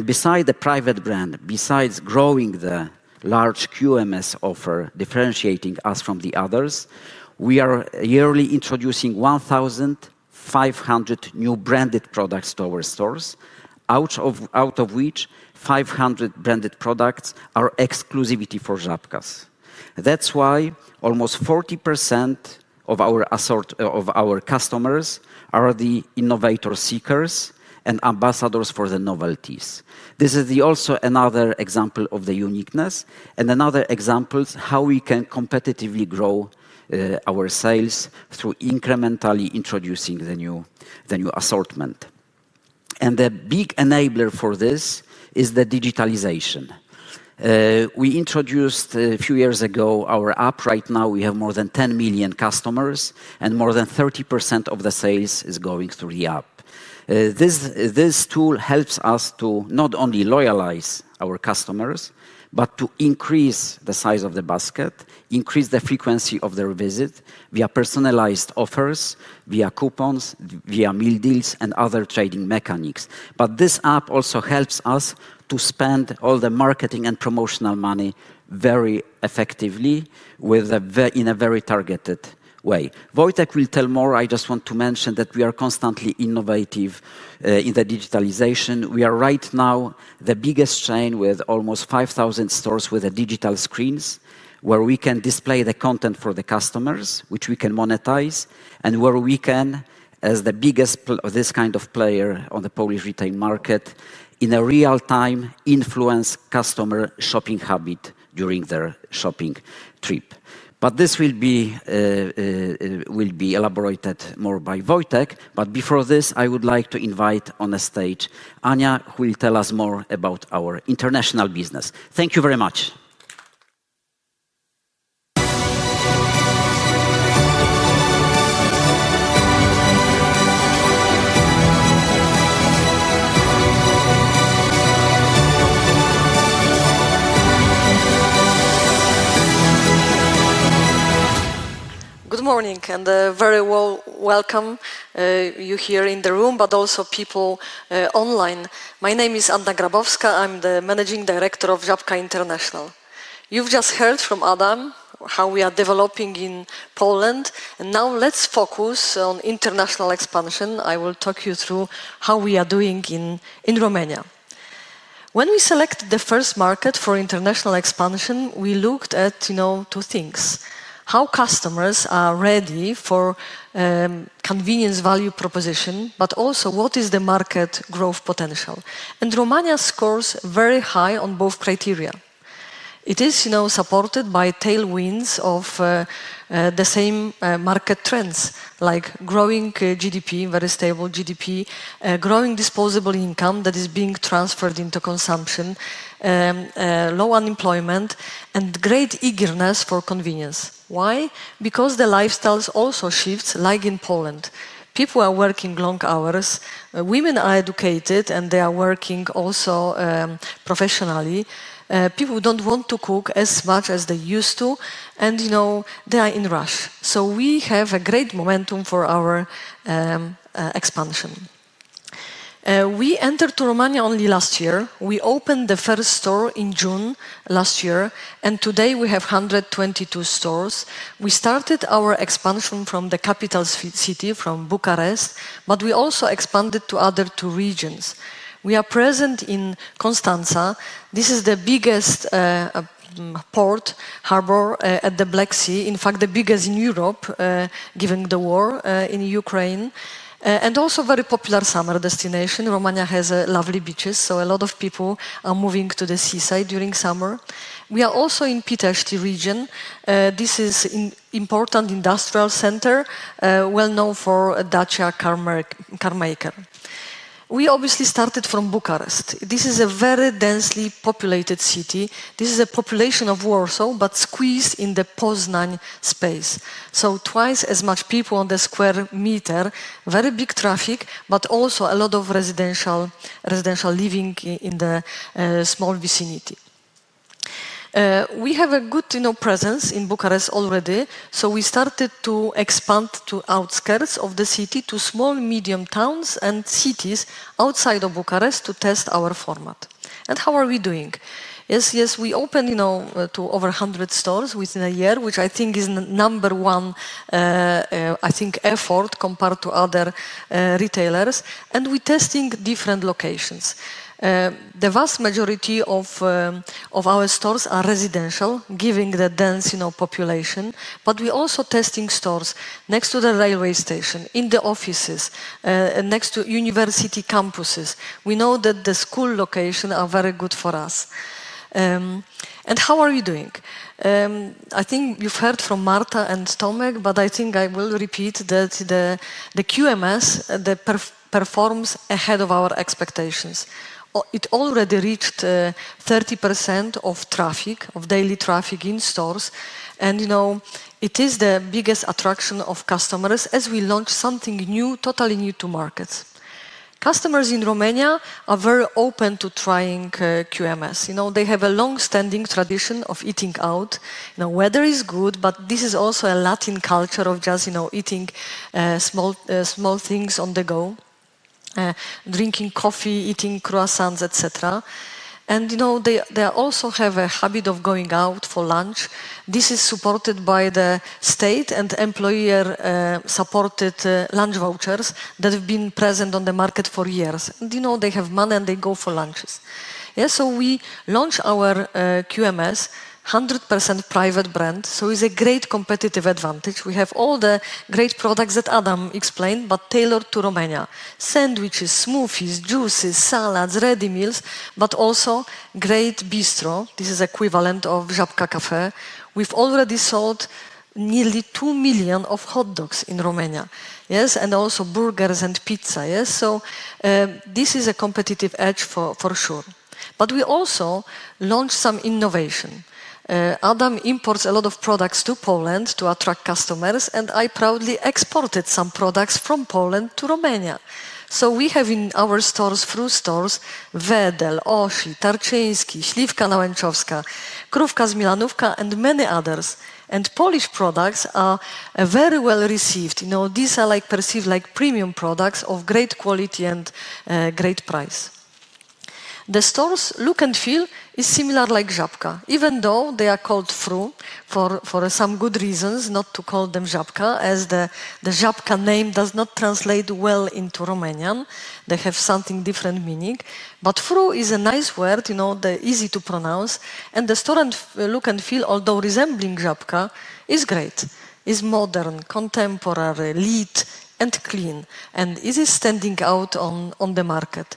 Besides the private brand, besides growing the large QMS offer, differentiating us from the others, we are yearly introducing 1,500 new branded products to our stores, out of which 500 branded products are exclusivity for Żabkas. That's why almost 40% of our customers are the innovator seekers and ambassadors for the novelties. This is also another example of the uniqueness and another example of how we can competitively grow our sales through incrementally introducing the new assortment. The big enabler for this is the digitalization. We introduced a few years ago our app. Right now, we have more than 10 million customers, and more than 30% of the sales is going through the app. This tool helps us to not only loyalize our customers, but to increase the size of the basket, increase the frequency of their visit via personalized offers, via coupons, via meal deals, and other trading mechanics. This app also helps us to spend all the marketing and promotional money very effectively in a very targeted way. Wojciech will tell more. I just want to mention that we are constantly innovative in the digitalization. We are right now the biggest chain with almost 5,000 stores with digital screens, where we can display the content for the customers, which we can monetize, and where we can, as the biggest of this kind of player on the Polish retail market, in a real-time influence customer shopping habit during their shopping trip. This will be elaborated more by Wojciech. Before this, I would like to invite on the stage Anna, who will tell us more about our international business. Thank you very much. Good morning and very welcome you here in the room, but also people online. My name is Anna Grabowska. I'm the Managing Director of Żabka International. You've just heard from Adam how we are developing in Poland. Now let's focus on international expansion. I will talk you through how we are doing in Romania. When we selected the first market for international expansion, we looked at two things: how customers are ready for a convenience value proposition, but also what is the market growth potential. Romania scores very high on both criteria. It is supported by tailwinds of the same market trends, like growing GDP, very stable GDP, growing disposable income that is being transferred into consumption, low unemployment, and great eagerness for convenience. Why? Because the lifestyles also shift, like in Poland. People are working long hours. Women are educated, and they are working also professionally. People don't want to cook as much as they used to, and they are in a rush. We have a great momentum for our expansion. We entered Romania only last year. We opened the first store in June last year, and today we have 122 stores. We started our expansion from the capital city, from Bucharest, but we also expanded to other two regions. We are present in Constanța. This is the biggest port harbor at the Black Sea, in fact, the biggest in Europe, given the war in Ukraine, and also a very popular summer destination. Romania has lovely beaches, so a lot of people are moving to the seaside during summer. We are also in Pitești region. This is an important industrial center, well known for Dacia Car Maker. We obviously started from Bucharest. This is a very densely populated city. This is a population of Warsaw, but squeezed in the Poznań space. Twice as much people on the square meter, very big traffic, but also a lot of residential living in the small vicinity. We have a good presence in Bucharest already, so we started to expand to the outskirts of the city, to small, medium towns, and cities outside of Bucharest to test our format. How are we doing? Yes, we opened to over 100 stores within a year, which I think is the number one, I think, effort compared to other retailers. We're testing different locations. The vast majority of our stores are residential, given the dense population, but we're also testing stores next to the railway station, in the offices, next to university campuses. We know that the school locations are very good for us. How are we doing? I think you've heard from Marta and Tomasz, but I think I will repeat that the QMS performs ahead of our expectations. It already reached 30% of daily traffic in stores, and it is the biggest attraction of customers as we launch something new, totally new to markets. Customers in Romania are very open to trying QMS. They have a longstanding tradition of eating out. Now, weather is good, but this is also a Latin culture of just eating small things on the go, drinking coffee, eating croissants, etc. They also have a habit of going out for lunch. This is supported by the state and employer-supported lunch vouchers that have been present on the market for years. They have money, and they go for lunches. We launched our QMS, 100% private brand, so it's a great competitive advantage. We have all the great products that Adam explained, but tailored to Romania. Sandwiches, smoothies, juices, salads, ready meals, but also great bistro. This is the equivalent of Żabka Cafe. We've already sold nearly 2 million hot dogs in Romania, and also burgers and pizza. This is a competitive edge for sure. We also launched some innovation. Adam imports a lot of products to Poland to attract customers, and I proudly exported some products from Poland to Romania. We have in our stores fruit stores: Wedel, Oshi, Tarczyński, Śliwka Nałęczowska, Krówka z Milanówka, and many others. Polish products are very well received. These are perceived as premium products of great quality and great price. The store's look and feel is similar to Żabka, even though they are called froo for some good reasons, not to call them Żabka, as the Żabka name does not translate well into Romanian. They have something different meaning. Froo is a nice word, they're easy to pronounce. The store's look and feel, although resembling Żabka, is great. It's modern, contemporary, lit, and clean, and it is standing out on the market.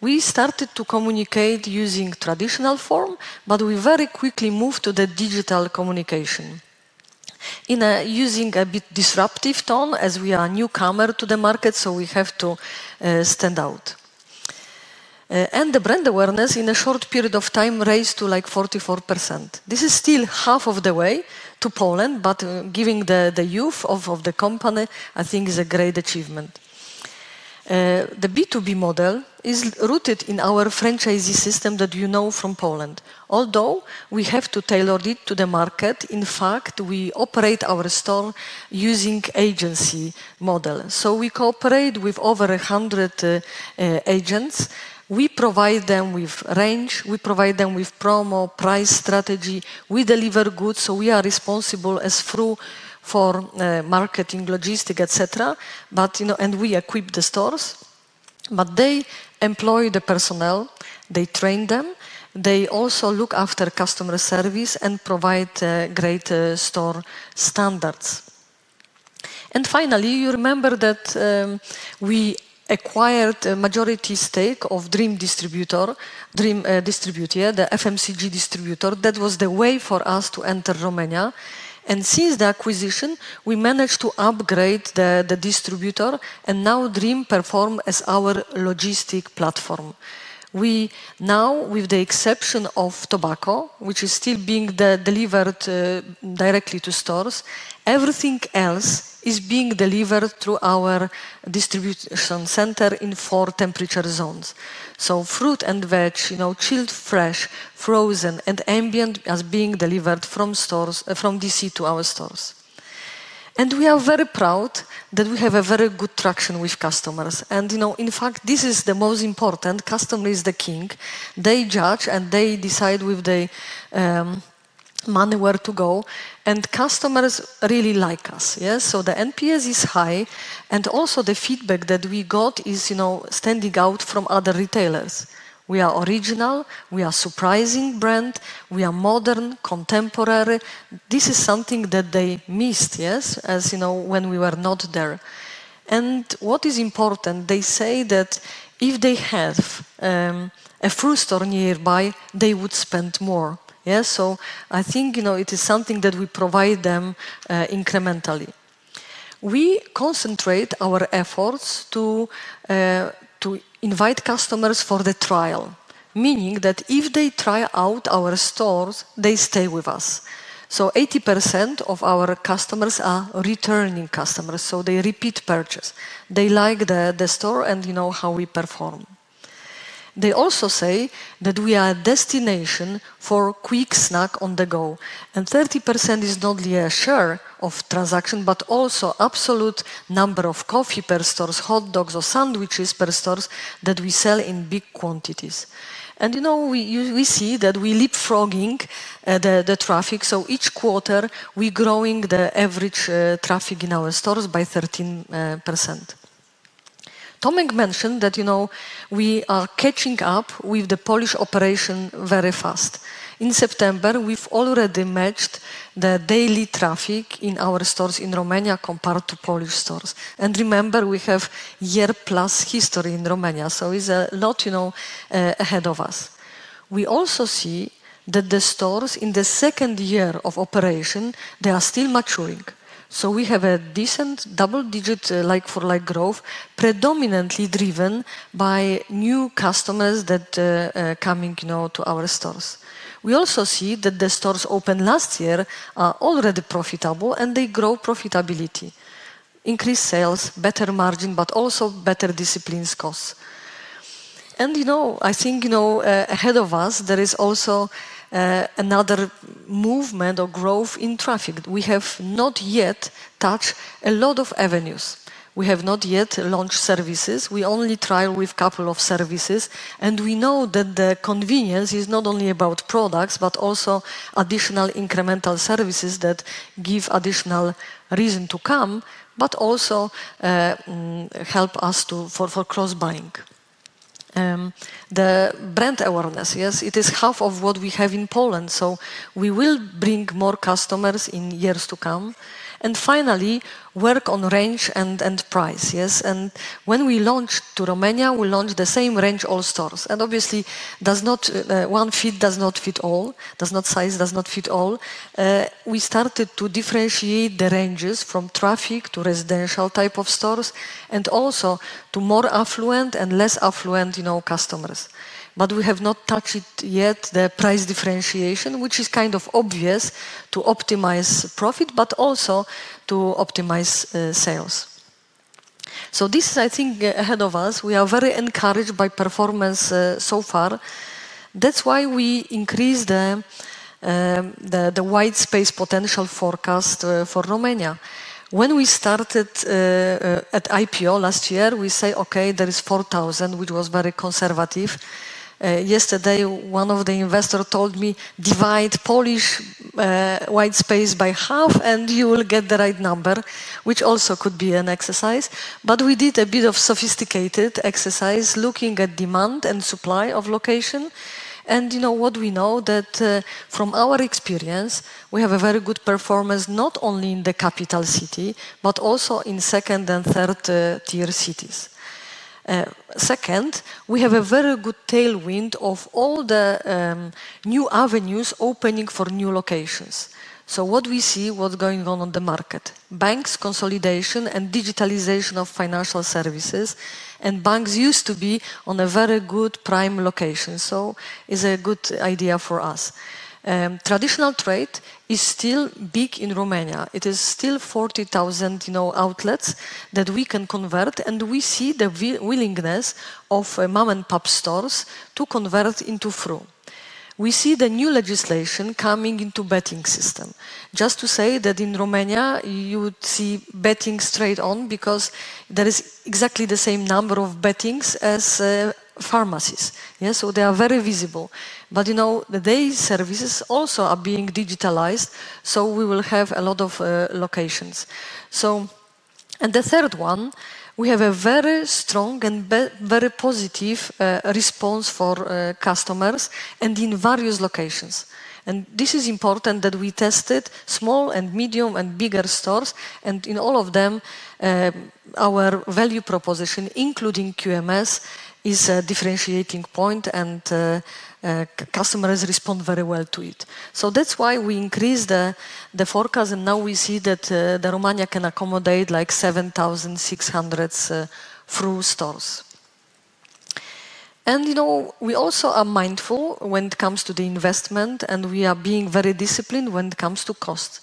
We started to communicate using traditional form, but we very quickly moved to the digital communication, using a bit of a disruptive tone, as we are a newcomer to the market, so we have to stand out. The brand awareness in a short period of time raised to like 44%. This is still half of the way to Poland, but giving the youth of the company, I think is a great achievement. The B2B model is rooted in our franchisee system that you know from Poland. Although we have to tailor it to the market, in fact, we operate our store using an agency model. We cooperate with over 100 agents. We provide them with range, promo, and price strategy. We deliver goods, so we are responsible as fru for marketing, logistics, etc. We equip the stores, but they employ the personnel. They train them. They also look after customer service and provide great store standards. You remember that we acquired a majority stake of Dream Distributor, the FMCG distributor. That was the way for us to enter Romania. Since the acquisition, we managed to upgrade the distributor, and now Dream performs as our logistics platform. With the exception of tobacco, which is still being delivered directly to stores, everything else is being delivered through our distribution center in four temperature zones. Fruit and veg, chilled, fresh, frozen, and ambient are being delivered from D.C. to our stores. We are very proud that we have very good traction with customers. This is the most important. Customer is the king. They judge, and they decide with the money where to go. Customers really like us. Yes, the NPS is high, and also the feedback that we got is standing out from other retailers. We are original. We are a surprising brand. We are modern, contemporary. This is something that they missed, as you know, when we were not there. What is important, they say that if they had a froo store nearby, they would spend more. I think it is something that we provide them incrementally. We concentrate our efforts to invite customers for the trial, meaning that if they try out our stores, they stay with us. 80% of our customers are returning customers. They repeat purchase. They like the store and you know how we perform. They also say that we are a destination for a quick snack on the go. 30% is not only a share of transaction, but also an absolute number of coffee per store, hot dogs, or sandwiches per store that we sell in big quantities. We see that we're leapfrogging the traffic. Each quarter, we're growing the average traffic in our stores by 13%. Tomacz mentioned that we are catching up with the Polish operation very fast. In September, we've already matched the daily traffic in our stores in Romania compared to Polish stores. Remember, we have a year-plus history in Romania, so it's a lot ahead of us. We also see that the stores in the second year of operation are still maturing. We have a decent double-digit Like-for-Like growth, predominantly driven by new customers that are coming to our stores. We also see that the stores opened last year are already profitable, and they grow profitability. Increased sales, better margin, but also better discipline costs. I think ahead of us, there is also another movement or growth in traffic. We have not yet touched a lot of avenues. We have not yet launched services. We only trialed with a couple of services. We know that convenience is not only about products, but also additional incremental services that give additional reason to come, but also help us for cross-buying. The brand awareness, yes, it is half of what we have in Poland. We will bring more customers in years to come. Finally, work on range and price. Yes, and when we launch to Romania, we launch the same range all stores. Obviously, one fit does not fit all. Does not size does not fit all. We started to differentiate the ranges from traffic to residential type of stores and also to more affluent and less affluent customers. We have not touched yet the price differentiation, which is kind of obvious to optimize profit, but also to optimize sales. This is, I think, ahead of us. We are very encouraged by performance so far. That's why we increased the white space potential forecast for Romania. When we started at IPO last year, we said, okay, there is 4,000, which was very conservative. Yesterday, one of the investors told me, divide Polish white space by half, and you will get the right number, which also could be an exercise. We did a bit of sophisticated exercise looking at demand and supply of location. You know what we know? From our experience, we have a very good performance not only in the capital city, but also in second and third-tier cities. Second, we have a very good tailwind of all the new avenues opening for new locations. What we see, what's going on in the market? Banks, consolidation, and digitalization of financial services. Banks used to be on a very good prime location. It's a good idea for us. Traditional trade is still big in Romania. It is still 40,000, You know, outlets that we can convert, and we see the willingness of mom-and-pop stores to convert into fru. We see the new legislation coming into the betting system. Just to say that in Romania, you would see betting straight on because there is exactly the same number of bettings as pharmacies. Yes, they are very visible. The day services also are being digitalized, so we will have a lot of locations. The third one, we have a very strong and very positive response from customers and in various locations. This is important that we tested small and medium and bigger stores, and in all of them, our value proposition, including QMS, is a differentiating point, and customers respond very well to it. That's why we increased the forecast, and now we see that Romania can accommodate like 7,600 froo stores. We also are mindful when it comes to the investment, and we are being very disciplined when it comes to cost.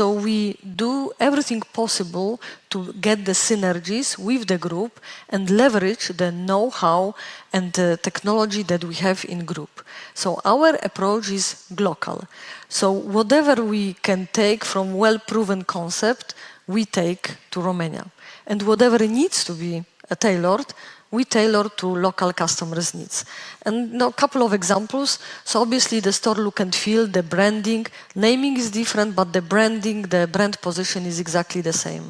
We do everything possible to get the synergies with the group and leverage the know-how and the technology that we have in the group. Our approach is local. Whatever we can take from a well-proven concept, we take to Romania. Whatever needs to be tailored, we tailor to local customers' needs. A couple of examples, so obviously the store look and feel, the branding, naming is different, but the branding, the brand position is exactly the same.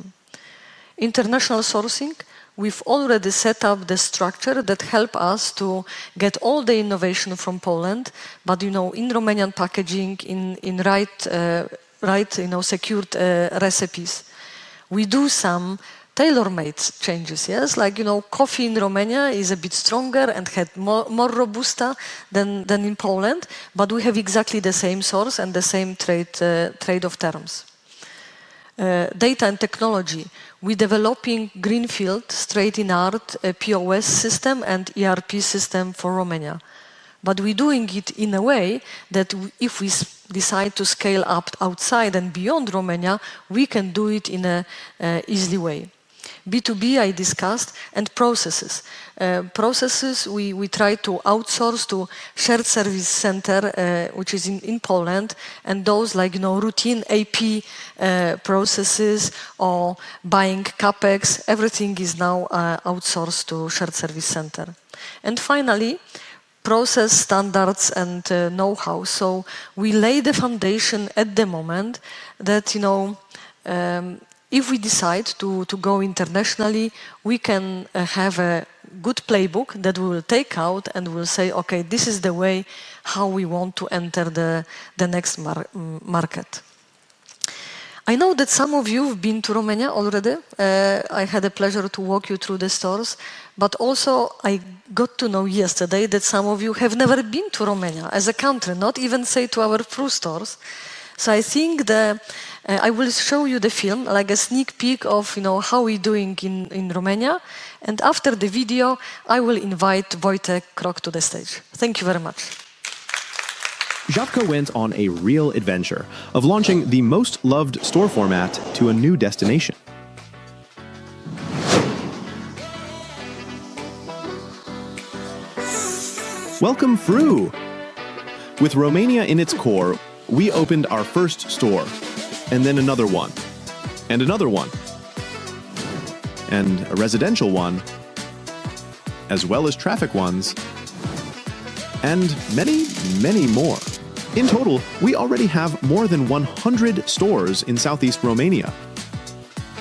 International sourcing, we've already set up the structure that helps us to get all the innovation from Poland, but in Romanian packaging, in right, secured recipes. We do some tailor-made changes, like coffee in Romania is a bit stronger and more robust than in Poland, but we have exactly the same source and the same trade of terms. Data and technology, we're developing Greenfield, straight in art, a POS system and ERP system for Romania. We're doing it in a way that if we decide to scale up outside and beyond Romania, we can do it in an easy way. B2B I discussed, and processes. Processes, we try to outsource to Shared Service Center, which is in Poland, and those like routine AP processes or buying CapEx, everything is now outsourced to Shared Service Center. Finally, process standards and know-how. We lay the foundation at the moment that you know, if we decide to go internationally, we can have a good playbook that we will take out and we'll say, okay, this is the way how we want to enter the next market. I know that some of you have been to Romania already. I had the pleasure to walk you through the stores, but also I got to know yesterday that some of you have never been to Romania as a country, not even say to our fru stores. I think that I will show you the film, like a sneak peek of you know, how we're doing in Romania, and after the video, I will invite Wojciech Krok to the stage. Thank you very much. Żabka went on a real adventure of launching the most loved store format to a new destination. Welcome froo! With Romania in its core, we opened our first store, and then another one, and another one, and a residential one, as well as traffic ones, and many, many more. In total, we already have more than 100 stores in Southeast Romania,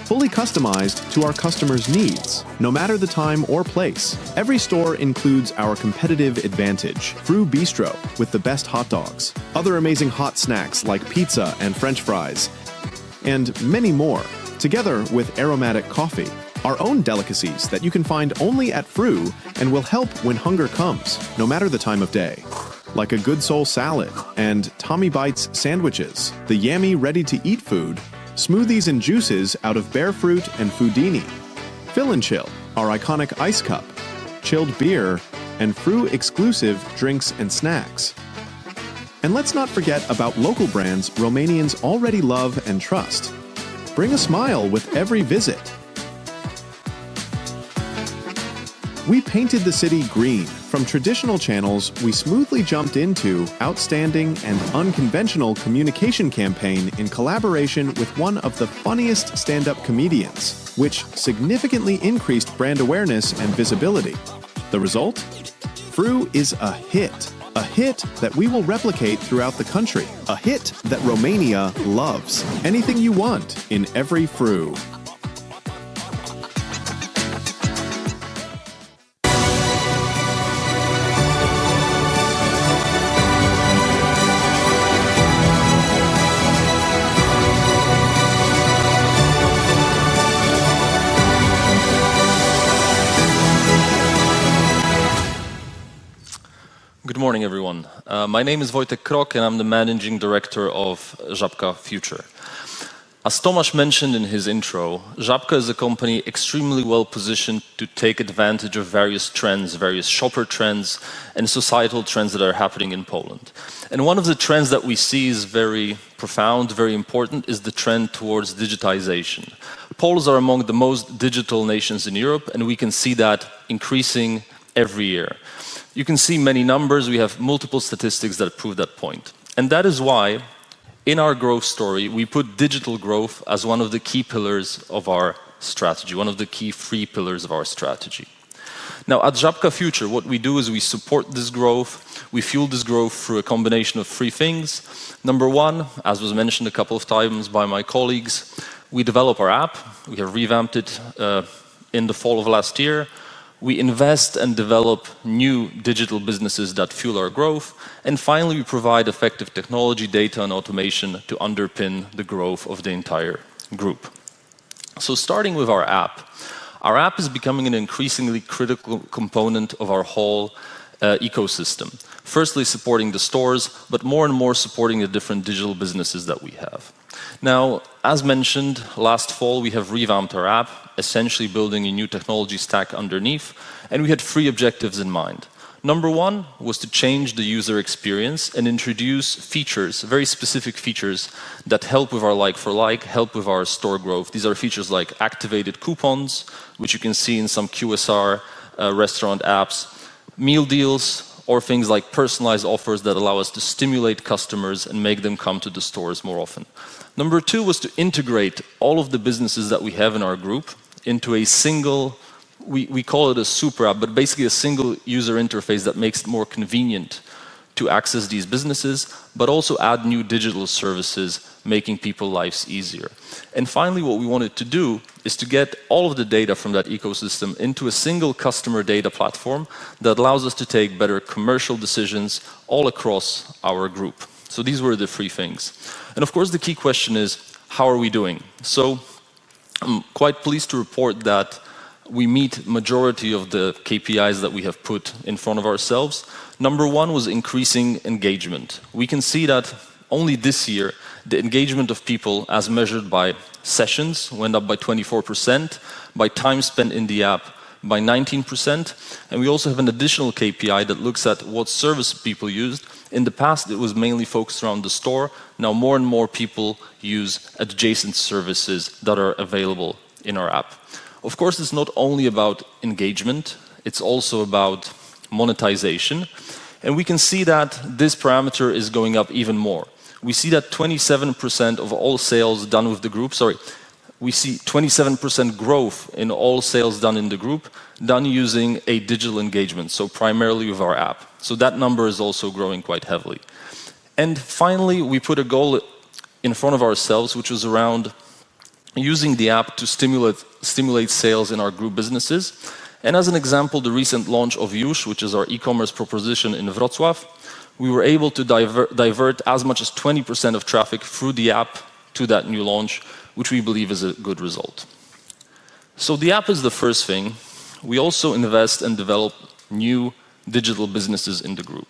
fully customized to our customers' needs, no matter the time or place. Every store includes our competitive advantage. Froo Bistro with the best hot dogs, other amazing hot snacks like pizza and French fries, and many more, together with aromatic coffee, our own delicacies that you can find only at froo and will help when hunger comes, no matter the time of day. Like a good soul salad and Tomcio Paluch sandwiches, the yummy ready-to-eat food, smoothies and juices out of bare fruit and Foodini, Fill and Chill, our iconic ice cup, chilled beer, and froo-exclusive drinks and snacks. Let's not forget about local brands Romanians already love and trust. Bring a smile with every visit. We painted the city green. From traditional channels, we smoothly jumped into outstanding and unconventional communication campaign in collaboration with one of the funniest stand-up comedians, which significantly increased brand awareness and visibility. The result? Froo is a hit, a hit that we will replicate throughout the country, a hit that Romania loves. Anything you want in every froo. Good morning, everyone. My name is Wojciech Krok, and I'm the Managing Director of Żabka Future. As Tomasz mentioned in his intro, Żabka is a company extremely well positioned to take advantage of various trends, various shopper trends, and societal trends that are happening in Poland. One of the trends that we see is very profound, very important, is the trend towards digitization. Poles are among the most digital nations in Europe, and we can see that increasing every year. You can see many numbers, we have multiple statistics that prove that point. That is why, in our growth story, we put digital growth as one of the key pillars of our strategy, one of the key three pillars of our strategy. Now, at Żabka Future, what we do is we support this growth, we fuel this growth through a combination of three things. Number one, as was mentioned a couple of times by my colleagues, we develop our app. We have revamped it in the fall of last year. We invest and develop new digital businesses that fuel our growth. Finally, we provide effective technology, data, and automation to underpin the growth of the entire group. Starting with our app, our app is becoming an increasingly critical component of our whole ecosystem. Firstly, supporting the stores, but more and more supporting the different digital businesses that we have. As mentioned, last fall, we have revamped our app, essentially building a new technology stack underneath, and we had three objectives in mind. Number one was to change the user experience and introduce features, very specific features that help with our Like-for-Like, help with our store growth. These are features like activated coupons, which you can see in some QSR restaurant apps, meal deals, or things like personalized offers that allow us to stimulate customers and make them come to the stores more often. Number two was to integrate all of the businesses that we have in our group into a single, we call it a super app, but basically a single user interface that makes it more convenient to access these businesses, but also add new digital services, making people's lives easier. Finally, what we wanted to do is to get all of the data from that ecosystem into a single customer data platform that allows us to take better commercial decisions all across our group. These were the three things. Of course, the key question is, how are we doing? I'm quite pleased to report that we meet the majority of the KPIs that we have put in front of ourselves. Number one was increasing engagement. We can see that only this year, the engagement of people, as measured by sessions, went up by 24%, by time spent in the app, by 19%. We also have an additional KPI that looks at what service people used. In the past, it was mainly focused around the store. Now, more and more people use adjacent services that are available in our app. Of course, it's not only about engagement. It's also about monetization. We can see that this parameter is going up even more. We see that 27% of all sales done with the group, sorry, we see 27% growth in all sales done in the group, done using a digital engagement, so primarily with our app. That number is also growing quite heavily. Finally, we put a goal in front of ourselves, which was around using the app to stimulate sales in our group businesses. As an example, the recent launch of Jush!, which is our e-commerce proposition in Wrocław, we were able to divert as much as 20% of traffic through the app to that new launch, which we believe is a good result. The app is the first thing. We also invest and develop new digital businesses in the group.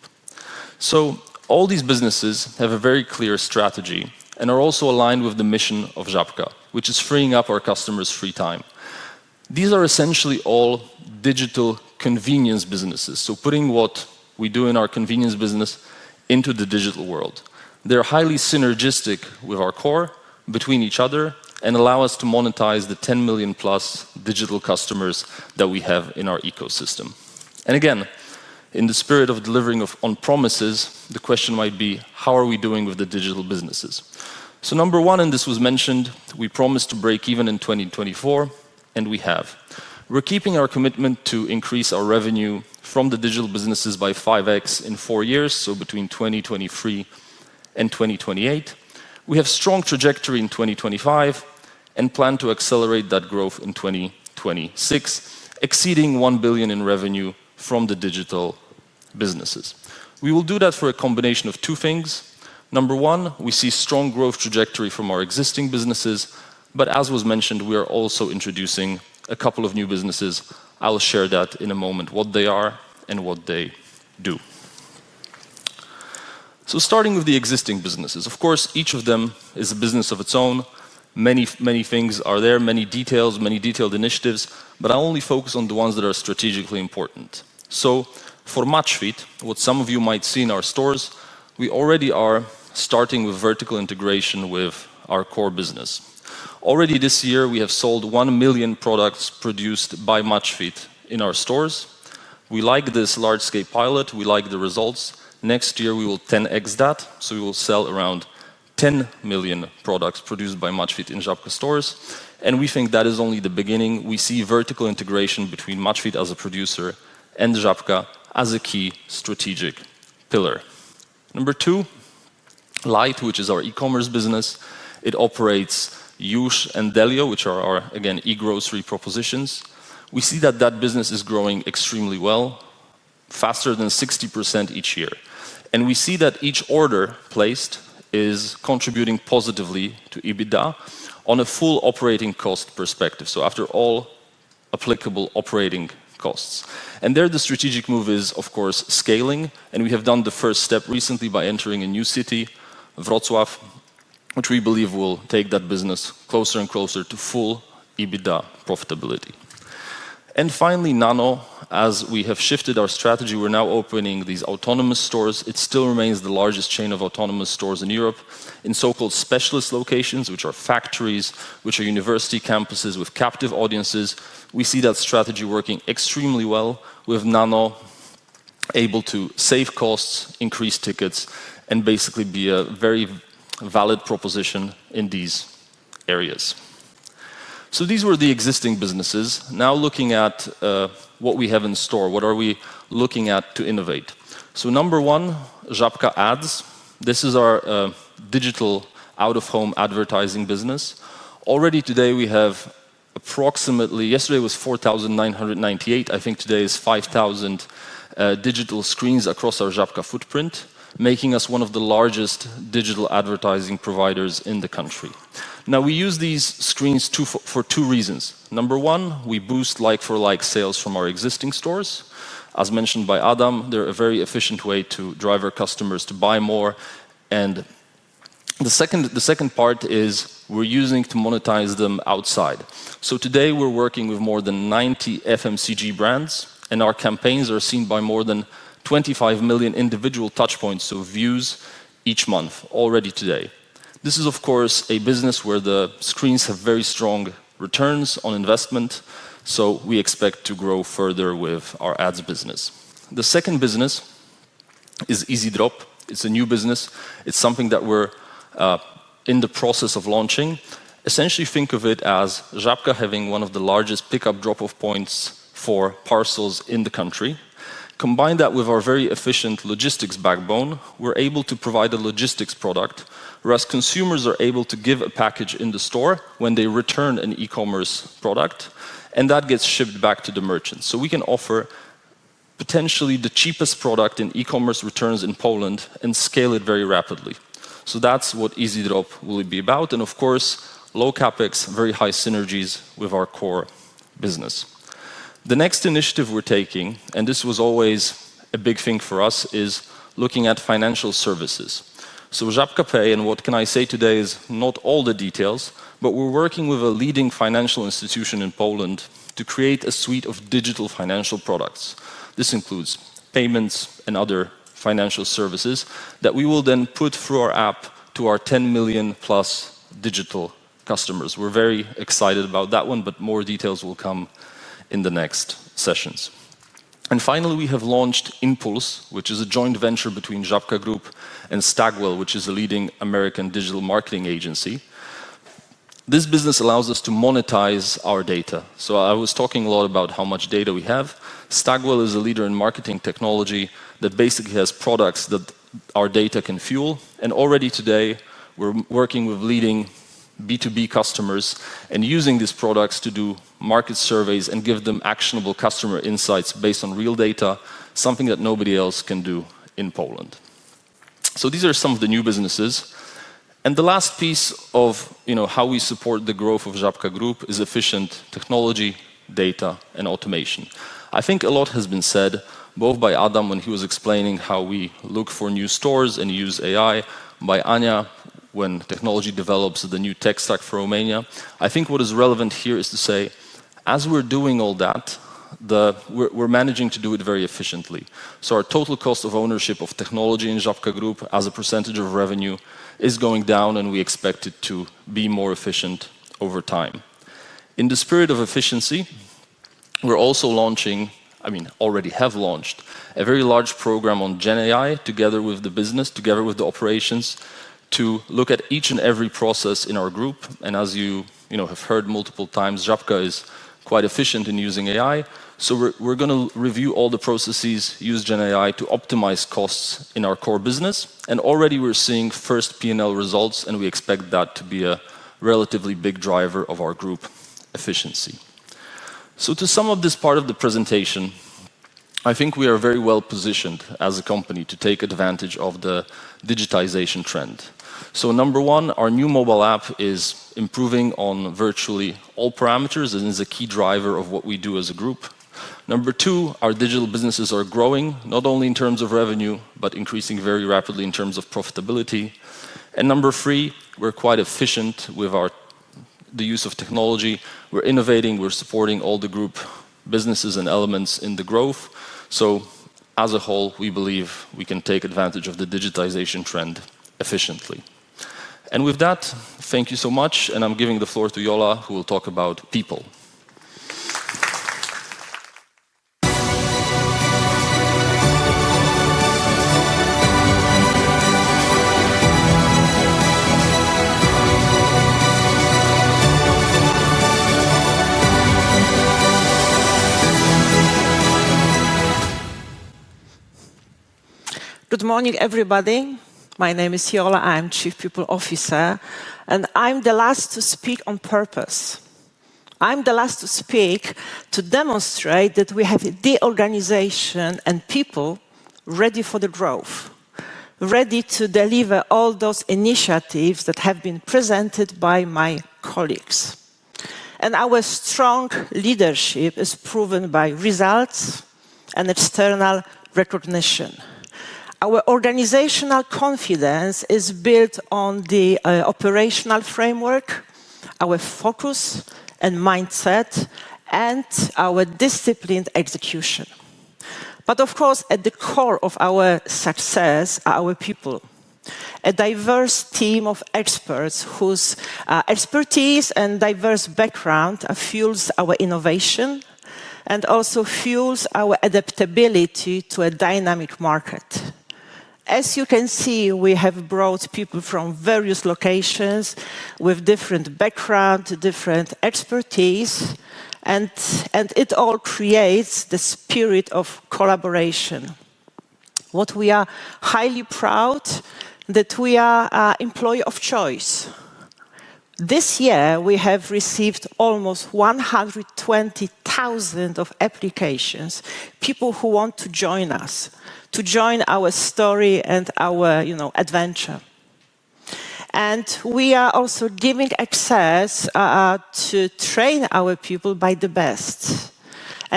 All these businesses have a very clear strategy and are also aligned with the mission of Żabka, which is freeing up our customers' free time. These are essentially all digital convenience businesses, so putting what we do in our convenience business into the digital world. They're highly synergistic with our core between each other and allow us to monetize the 10 million plus digital customers that we have in our ecosystem. Again, in the spirit of delivering on promises, the question might be, how are we doing with the digital businesses? Number one, and this was mentioned, we promised to break even in 2024, and we have. We're keeping our commitment to increase our revenue from the digital businesses by 5x in four years, so between 2023 and 2028. We have a strong trajectory in 2025 and plan to accelerate that growth in 2026, exceeding 1 billion in revenue from the digital businesses. We will do that for a combination of two things. Number one, we see a strong growth trajectory from our existing businesses, but as was mentioned, we are also introducing a couple of new businesses. I'll share that in a moment, what they are and what they do. Starting with the existing businesses, of course, each of them is a business of its own. Many, many things are there, many details, many detailed initiatives, but I'll only focus on the ones that are strategically important. For Maczfit, what some of you might see in our stores, we already are starting with vertical integration with our core business. Already this year, we have sold 1 million products produced by Maczfit in our stores. We like this large-scale pilot. We like the results. Next year, we will 10x that, so we will sell around 10 million products produced by Maczfit in Żabka stores. We think that is only the beginning. We see vertical integration between Maczfit as a producer and Żabka as a key strategic pillar. Number two, Lite, which is our e-commerce business. It operates Jush! and delio, which are our, again, e-grocery propositions. We see that business is growing extremely well, faster than 60% each year. We see that each order placed is contributing positively to EBITDA on a full operating cost perspective, so after all applicable operating costs. There the strategic move is, of course, scaling. We have done the first step recently by entering a new city, Wrocław, which we believe will take that business closer and closer to full EBITDA profitability. Finally, Nano, as we have shifted our strategy, we're now opening these autonomous stores. It still remains the largest chain of autonomous stores in Europe, in so-called specialist locations, which are factories, which are university campuses with captive audiences. We see that strategy working extremely well with Nano, able to save costs, increase tickets, and basically be a very valid proposition in these areas. These were the existing businesses. Now looking at what we have in store, what are we looking at to innovate? Number one, Żabka Ads. This is our digital out-of-home advertising business. Already today, we have approximately, yesterday was 4,998. I think today is 5,000 digital screens across our Żabka footprint, making us one of the largest digital advertising providers in the country. We use these screens for two reasons. Number one, we boost Like-for-Like sales from our existing stores. As mentioned by Adam, they're a very efficient way to drive our customers to buy more. The second part is we're using to monetize them outside. Today we're working with more than 90 FMCG brands, and our campaigns are seen by more than 25 million individual touchpoints, so views each month, already today. This is, of course, a business where the screens have very strong returns on investment. We expect to grow further with our ads business. The second business is EasyDrop. It's a new business. It's something that we're in the process of launching. Essentially, think of it as Żabka having one of the largest pickup drop-off points for parcels in the country. Combine that with our very efficient logistics backbone. We're able to provide a logistics product, whereas consumers are able to give a package in the store when they return an e-commerce product, and that gets shipped back to the merchant. We can offer potentially the cheapest product in e-commerce returns in Poland and scale it very rapidly. That's what EasyDrop will be about. Of course, low CapEx, very high synergies with our core business. The next initiative we're taking, and this was always a big thing for us, is looking at financial services. Żabka Pay, and what I can say today is not all the details, but we're working with a leading financial institution in Poland to create a suite of digital financial products. This includes payments and other financial services that we will then put through our app to our 10 million plus digital customers. We're very excited about that one, but more details will come in the next sessions. Finally, we have launched In-Pulse, which is a joint venture between Żabka Group and Stagwell, which is a leading American digital marketing agency. This business allows us to monetize our data. I was talking a lot about how much data we have. Stagwell is a leader in marketing technology that basically has products that our data can fuel. Already today, we're working with leading B2B customers and using these products to do market surveys and give them actionable customer insights based on real data, something that nobody else can do in Poland. These are some of the new businesses. The last piece of how we support the growth of Żabka Group is efficient technology, data, and automation. I think a lot has been said, both by Adam when he was explaining how we look for new stores and use AI, by Anya when technology develops the new tech stack for Romania. What is relevant here is to say, as we're doing all that, we're managing to do it very efficiently. Our total cost of ownership of technology in Żabka Group as a percentage of revenue is going down, and we expect it to be more efficient over time. In the spirit of efficiency, we're also launching, I mean, already have launched a very large program on GenAI, together with the business, together with the operations, to look at each and every process in our group. As you have heard multiple times, Żabka is quite efficient in using AI. We're going to review all the processes, use GenAI to optimize costs in our core business. Already we're seeing first P&L results, and we expect that to be a relatively big driver of our group efficiency. To sum up this part of the presentation, I think we are very well positioned as a company to take advantage of the digitization trend. Number one, our new mobile app is improving on virtually all parameters and is a key driver of what we do as a group. Number two, our digital businesses are growing, not only in terms of revenue, but increasing very rapidly in terms of profitability. Number three, we're quite efficient with the use of technology. We're innovating, we're supporting all the group businesses and elements in the growth. As a whole, we believe we can take advantage of the digitization trend efficiently. With that, thank you so much, and I'm giving the floor to Jola, who will talk about people. Good morning, everybody. My name is Jola. I'm Chief People Officer, and I'm the last to speak on purpose. I'm the last to speak to demonstrate that we have the organization and people ready for the growth, ready to deliver all those initiatives that have been presented by my colleagues. Our strong leadership is proven by results and external recognition. Our organizational confidence is built on the operational framework, our focus and mindset, and our disciplined execution. Of course, at the core of our success are our people, a diverse team of experts whose expertise and diverse background fuel our innovation and also fuel our adaptability to a dynamic market. As you can see, we have brought people from various locations with different backgrounds, different expertise, and it all creates the spirit of collaboration. What we are highly proud of is that we are an employer of choice. This year, we have received almost 120,000 applications, people who want to join us, to join our story and our adventure. We are also giving access to train our people by the best.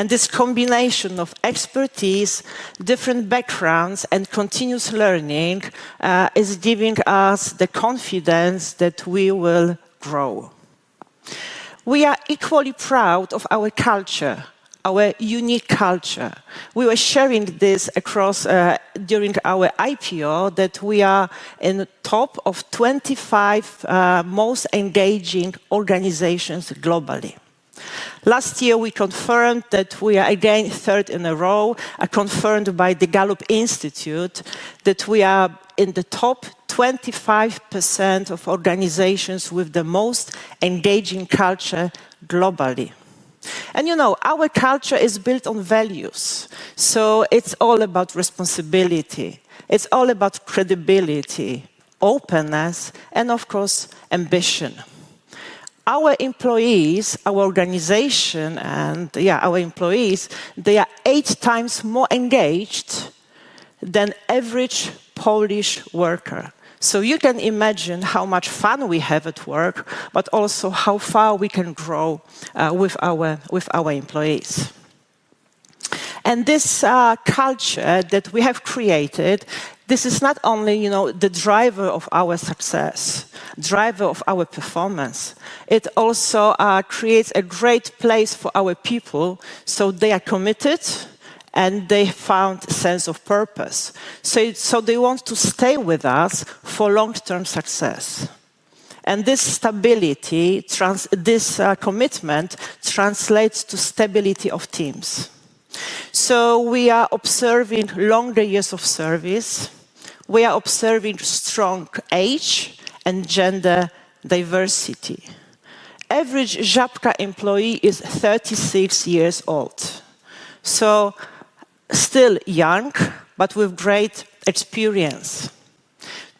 This combination of expertise, different backgrounds, and continuous learning is giving us the confidence that we will grow. We are equally proud of our culture, our unique culture. We were sharing this across during our IPO that we are in the top 25 most engaging organizations globally. Last year, we confirmed that we are again third in a row, confirmed by the Gallup Institute, that we are in the top 25% of organizations with the most engaging culture globally. Our culture is built on values. It's all about responsibility. It's all about credibility, openness, and of course, ambition. Our employees, our organization, and yeah, our employees, they are 8x more engaged than the average Polish worker. You can imagine how much fun we have at work, but also how far we can grow with our employees. This culture that we have created, this is not only the driver of our success, the driver of our performance. It also creates a great place for our people, so they are committed and they found a sense of purpose. They want to stay with us for long-term success. This stability, this commitment translates to stability of teams. We are observing longer years of service. We are observing strong age and gender diversity. Average Żabka employee is 36 years old. Still young, but with great experience.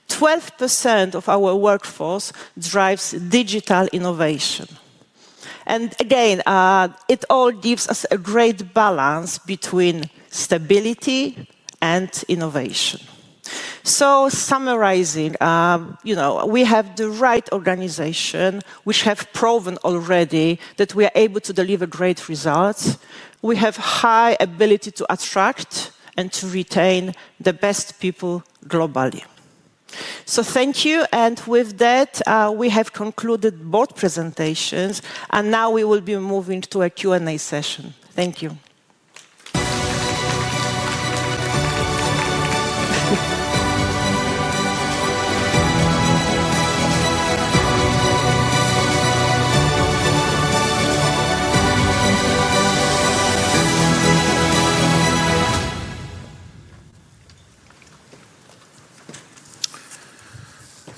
12% of our workforce drives digital innovation. It all gives us a great balance between stability and innovation. Summarizing, we have the right organization. We have proven already that we are able to deliver great results. We have a high ability to attract and to retain the best people globally. Thank you. With that, we have concluded both presentations, and now we will be moving to a Q&A session. Thank you.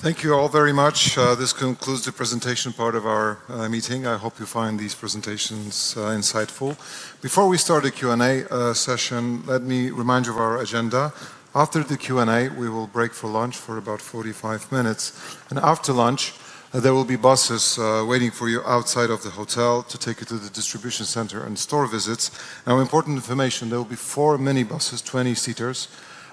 Thank you all very much. This concludes the presentation part of our meeting. I hope you find these presentations insightful. Before we start the Q&A session, let me remind you of our agenda. After the Q&A, we will break for lunch for about 45 minutes. After lunch, there will be buses waiting for you outside of the hotel to take you to the distribution center and store visits. Now, important information, there will be four mini buses, 20 seaters,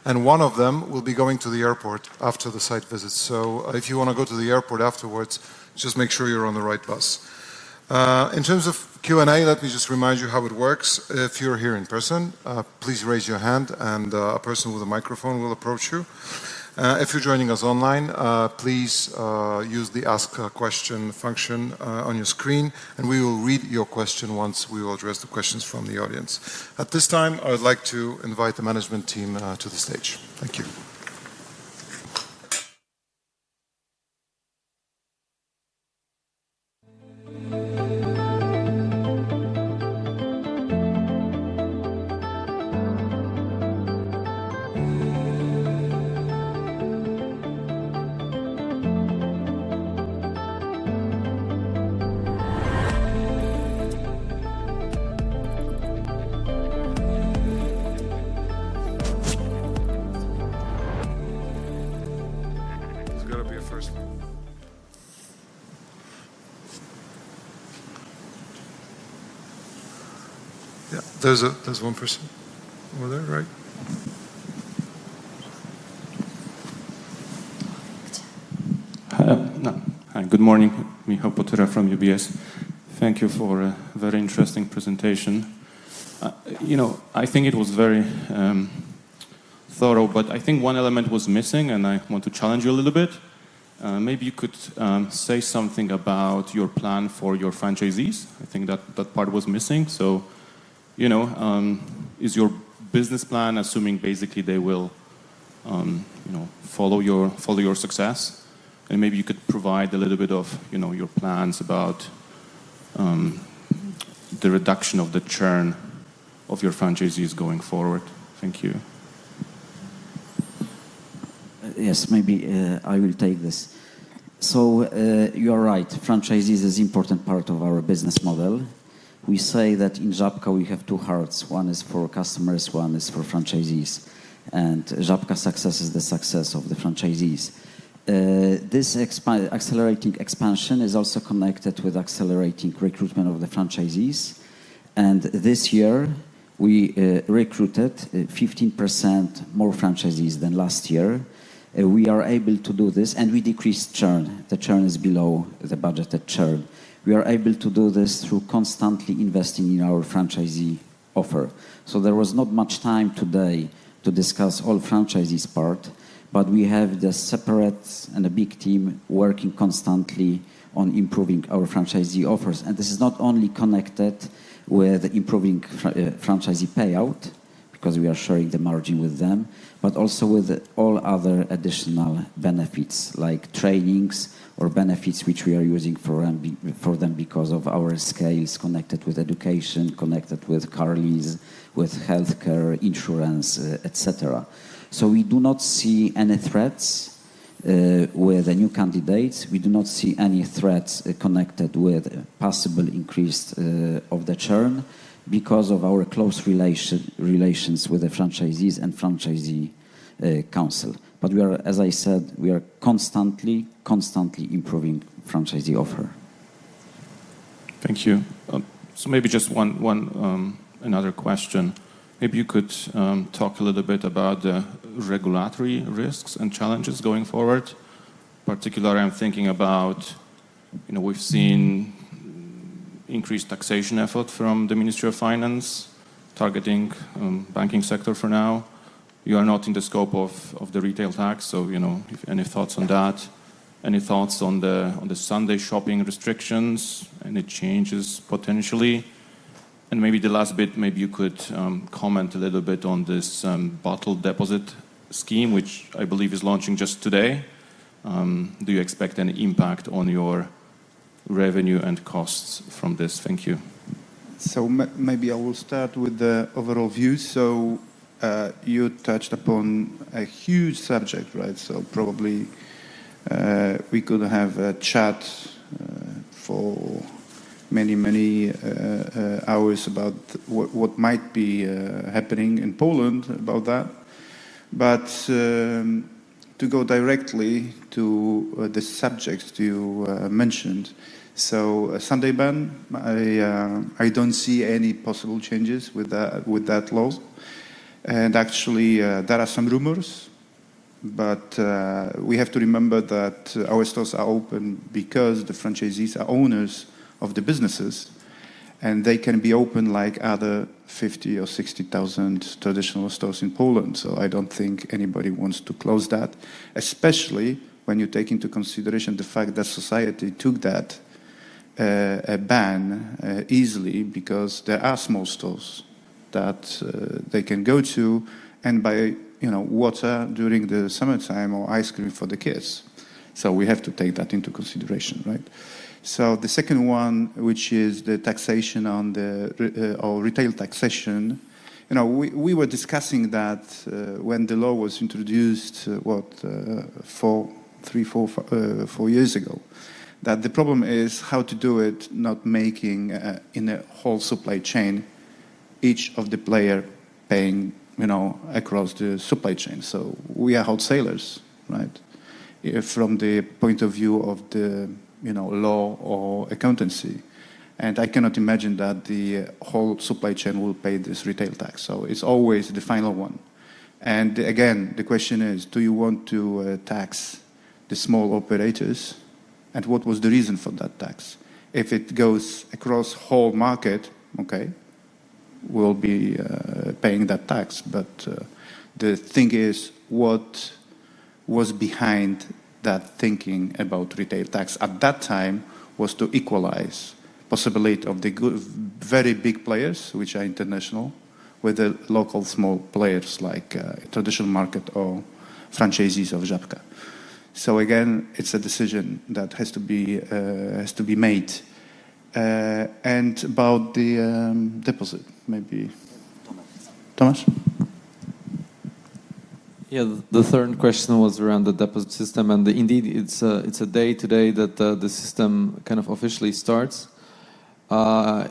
and one of them will be going to the airport after the site visits. If you want to go to the airport afterwards, just make sure you're on the right bus. In terms of Q&A, let me just remind you how it works. If you're here in person, please raise your hand and a person with a microphone will approach you. If you're joining us online, please use the ask a question function on your screen, and we will read your question once we address the questions from the audience. At this time, I would like to invite the management team to the stage. Thank you. It's got to be a first. Yeah, there's one person over there, right? Good morning. Michal Potyra from UBS. Thank you for a very interesting presentation. I think it was very thorough, but I think one element was missing, and I want to challenge you a little bit. Maybe you could say something about your plan for your franchisees. I think that part was missing. Is your business plan assuming basically they will follow your success? Maybe you could provide a little bit of your plans about the reduction of the churn of your franchisees going forward. Thank you. Yes, maybe I will take this. You're right. Franchisees are an important part of our business model. We say that in Żabka, we have two hearts. One is for customers, one is for franchisees. Żabka's success is the success of the franchisees. This accelerating expansion is also connected with accelerating recruitment of the franchisees. This year, we recruited 15% more franchisees than last year. We are able to do this, and we decreased churn. The churn is below the budgeted churn. We are able to do this through constantly investing in our franchisee offer. There was not much time today to discuss all franchisees' part, but we have a separate and a big team working constantly on improving our franchisee offers. This is not only connected with improving franchisee payout because we are sharing the margin with them, but also with all other additional benefits like trainings or benefits which we are using for them because of our scale. It is connected with education, connected with cards, with healthcare, insurance, etc. We do not see any threats with the new candidates. We do not see any threats connected with possible increase of the churn because of our close relations with the franchisees and franchisee council. As I said, we are constantly, constantly improving the franchisee offer. Thank you. Maybe just one another question. Maybe you could talk a little bit about the regulatory risks and challenges going forward. Particularly, I'm thinking about, you know, we've seen increased taxation efforts from the Ministry of Finance targeting the banking sector for now. You are not in the scope of the retail tax. Any thoughts on that? Any thoughts on the Sunday shopping restrictions? Any changes potentially? Maybe the last bit, maybe you could comment a little bit on this bottle deposit scheme, which I believe is launching just today. Do you expect any impact on your revenue and costs from this? Thank you. Maybe I will start with the overall views. You touched upon a huge subject, right? We could have a chat for many, many hours about what might be happening in Poland about that. To go directly to the subjects you mentioned, Sunday ban, I don't see any possible changes with that law. Actually, there are some rumors, but we have to remember that our stores are open because the franchisees are owners of the businesses, and they can be open like other 50,000 or 60,000 traditional stores in Poland. I don't think anybody wants to close that, especially when you take into consideration the fact that society took that ban easily because there are small stores that they can go to and buy, you know, water during the summertime or ice cream for the kids. We have to take that into consideration, right? The second one, which is the taxation on the retail taxation, you know, we were discussing that when the law was introduced, what, three, four years ago, that the problem is how to do it, not making in a whole supply chain, each of the players paying, you know, across the supply chain. We are wholesalers, right? If from the point of view of the, you know, law or accountancy, and I cannot imagine that the whole supply chain will pay this retail tax. It's always the final one. Again, the question is, do you want to tax the small operators? What was the reason for that tax? If it goes across the whole market, okay, we'll be paying that tax. The thing is, what was behind that thinking about retail tax at that time was to equalize the possibility of the very big players, which are international, with the local small players like the traditional market or franchisees of Żabka. Again, it's a decision that has to be made. About the deposit, maybe Tomasz. Yeah, the third question was around the deposit system. Indeed, it's a day today that the system kind of officially starts.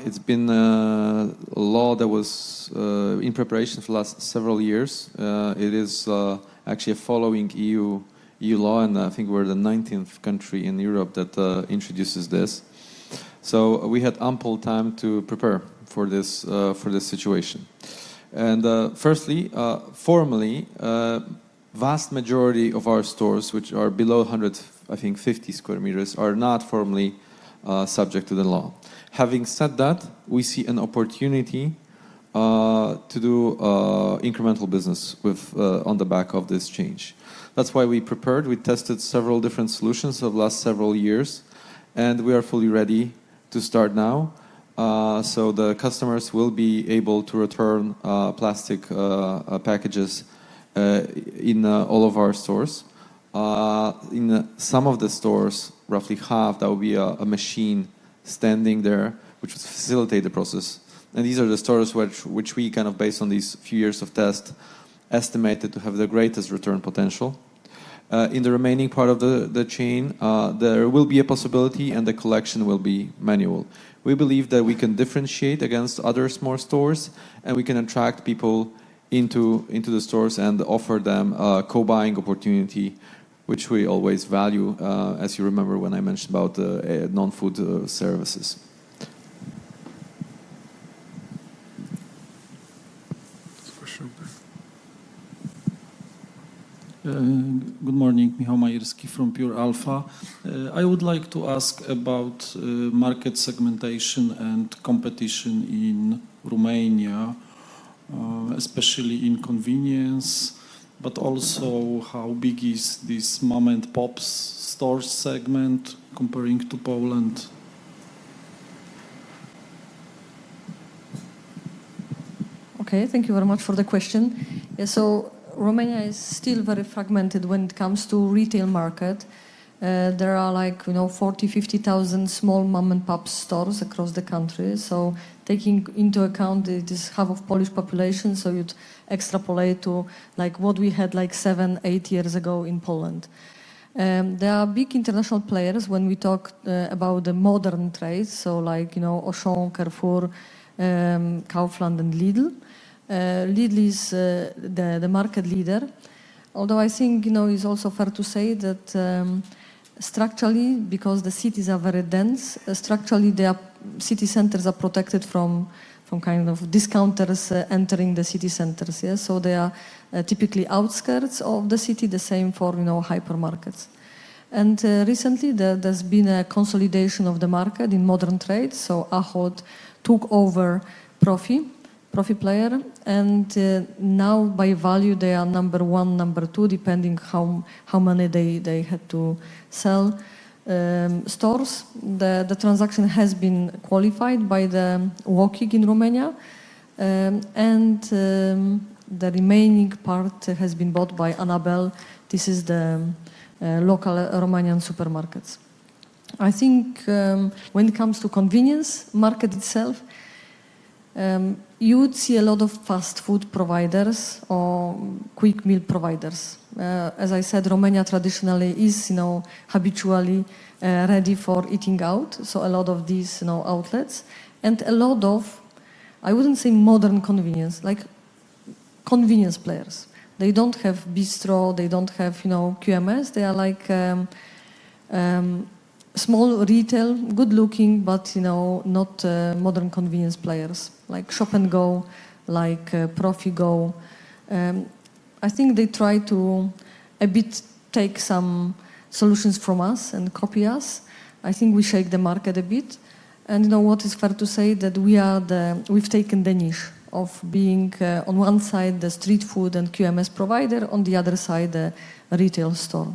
It's been a law that was in preparation for the last several years. It is actually following EU law, and I think we're the 19th country in Europe that introduces this. We had ample time to prepare for this situation. Firstly, formally, a vast majority of our stores, which are below 100, I think 50 square meters, are not formally subject to the law. Having said that, we see an opportunity to do incremental business on the back of this change. That's why we prepared. We tested several different solutions over the last several years, and we are fully ready to start now. The customers will be able to return plastic packages in all of our stores. In some of the stores, roughly half, there will be a machine standing there, which will facilitate the process. These are the stores which we, based on these few years of test, estimated to have the greatest return potential. In the remaining part of the chain, there will be a possibility, and the collection will be manual. We believe that we can differentiate against other small stores, and we can attract people into the stores and offer them a co-buying opportunity, which we always value, as you remember when I mentioned about the non-food services. Good morning, Mihai Murischi from Pure Alpha. I would like to ask about market segmentation and competition in Romania, especially in convenience, but also how big is this mom-and-pop stores segment comparing to Poland? Okay, thank you very much for the question. Yeah, Romania is still very fragmented when it comes to the retail market. There are, like, you know, 40,000, 50,000 small mom-and-pop stores across the country. Taking into account this half of Polish population, you'd extrapolate to what we had like seven, eight years ago in Poland. There are big international players when we talk about the modern trades, like Auchan, Carrefour, Kaufland, and Lidl. Lidl is the market leader. Although I think it's also fair to say that structurally, because the cities are very dense, structurally, the city centers are protected from kind of discounters entering the city centers. They are typically outskirts of the city, the same for hypermarkets. Recently, there's been a consolidation of the market in modern trades. Ahoid took over Profi, Profi player, and now by value, they are number one, number two, depending on how many they had to sell. Stores, the transaction has been qualified by the watchdog in Romania, and the remaining part has been bought by Anabel. This is the local Romanian supermarkets. I think when it comes to convenience market itself, you would see a lot of fast food providers or quick meal providers. As I said, Romania traditionally is, you know, habitually ready for eating out. A lot of these outlets and a lot of, I wouldn't say modern convenience, like convenience players. They don't have Bistro, they don't have QMS. They are like small retail, good looking, but not modern convenience players like Shop & Go, like Profi Go. I think they try to a bit take some solutions from us and copy us. I think we shake the market a bit. You know what is fair to say, that we are the, we've taken the niche of being on one side the street food and QMS provider, on the other side the retail store.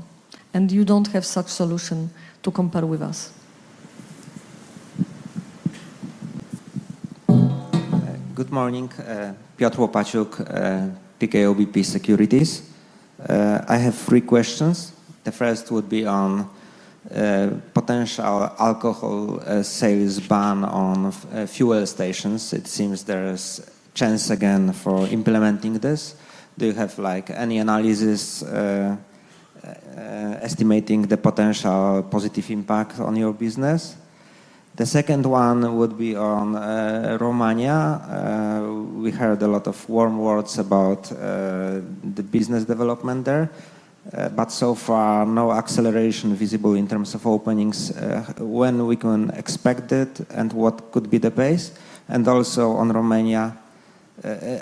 You don't have such a solution to compare with us. Good morning, Piotr Łopaciuk, PKO BP Securities. I have three questions. The first would be on potential alcohol sales ban on fuel stations. It seems there is a chance again for implementing this. Do you have like any analysis estimating the potential positive impact on your business? The second one would be on Romania. We heard a lot of warm words about the business development there, but so far no acceleration visible in terms of openings. When can we expect it and what could be the pace? Also on Romania,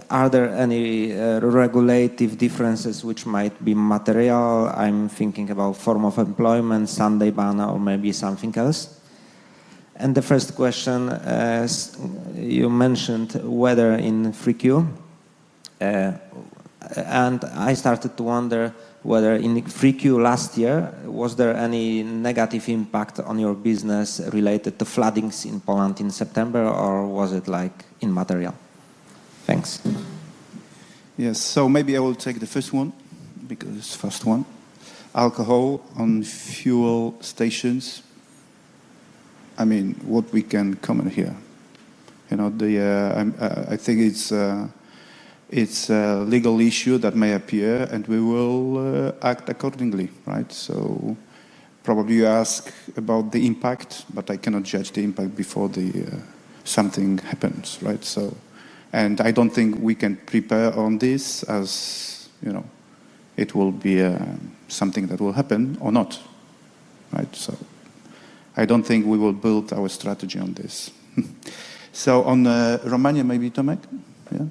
are there any regulative differences which might be material? I'm thinking about form of employment, Sunday ban, or maybe something else. The first question, as you mentioned, whether in free queue. I started to wonder whether in free queue last year, was there any negative impact on your business related to floodings in Poland in September, or was it like immaterial? Thanks. Yes, maybe I will take the first one because the first one, alcohol on fuel stations. I mean, what we can comment here. I think it's a legal issue that may appear, and we will act accordingly, right? Probably you ask about the impact, but I cannot judge the impact before something happens, right? I don't think we can prepare on this as it will be something that will happen or not, right? I don't think we will build our strategy on this. On Romania, maybe Tomacz, yeah,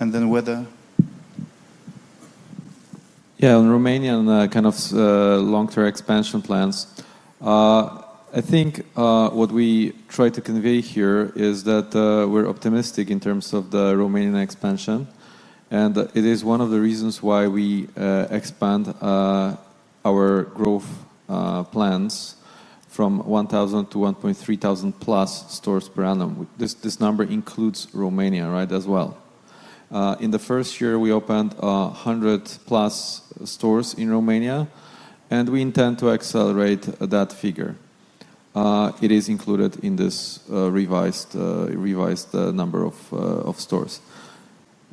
and then whether... Yeah, on Romanian kind of long-term expansion plans. I think what we try to convey here is that we're optimistic in terms of the Romanian expansion. It is one of the reasons why we expand our growth plans from 1,000 to 1,300+ stores per annum. This number includes Romania as well. In the first year, we opened 100+ stores in Romania, and we intend to accelerate that figure. It is included in this revised number of stores.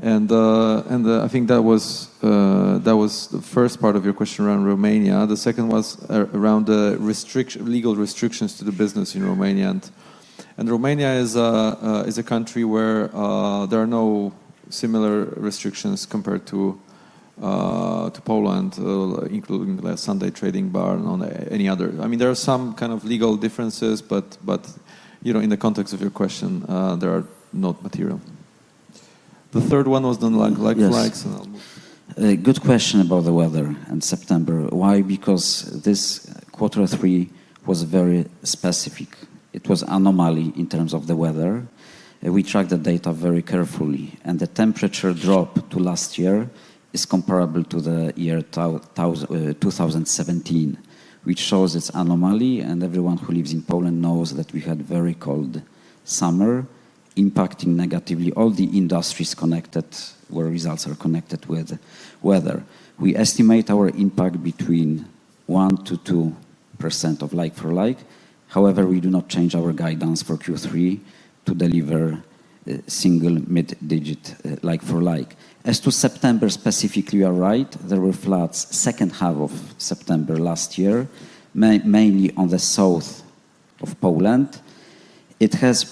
I think that was the first part of your question around Romania. The second was around the legal restrictions to the business in Romania. Romania is a country where there are no similar restrictions compared to Poland, including the Sunday trading bar and any other. I mean, there are some kind of legal differences, but you know, in the context of your question, they are not material. The third one was the like. Good question about the weather in September. Why? Because this quarter three was very specific. It was an anomaly in terms of the weather. We tracked the data very carefully, and the temperature drop to last year is comparable to the year 2017, which shows it's an anomaly. Everyone who lives in Poland knows that we had a very cold summer, impacting negatively all the industries connected where results are connected with weather. We estimate our impact between 1%-2% of like for like. However, we do not change our guidance for Q3 to deliver a single mid-digit like-for-like. As to September specifically, you are right. There were floods in the second half of September last year, mainly in the south of Poland. At that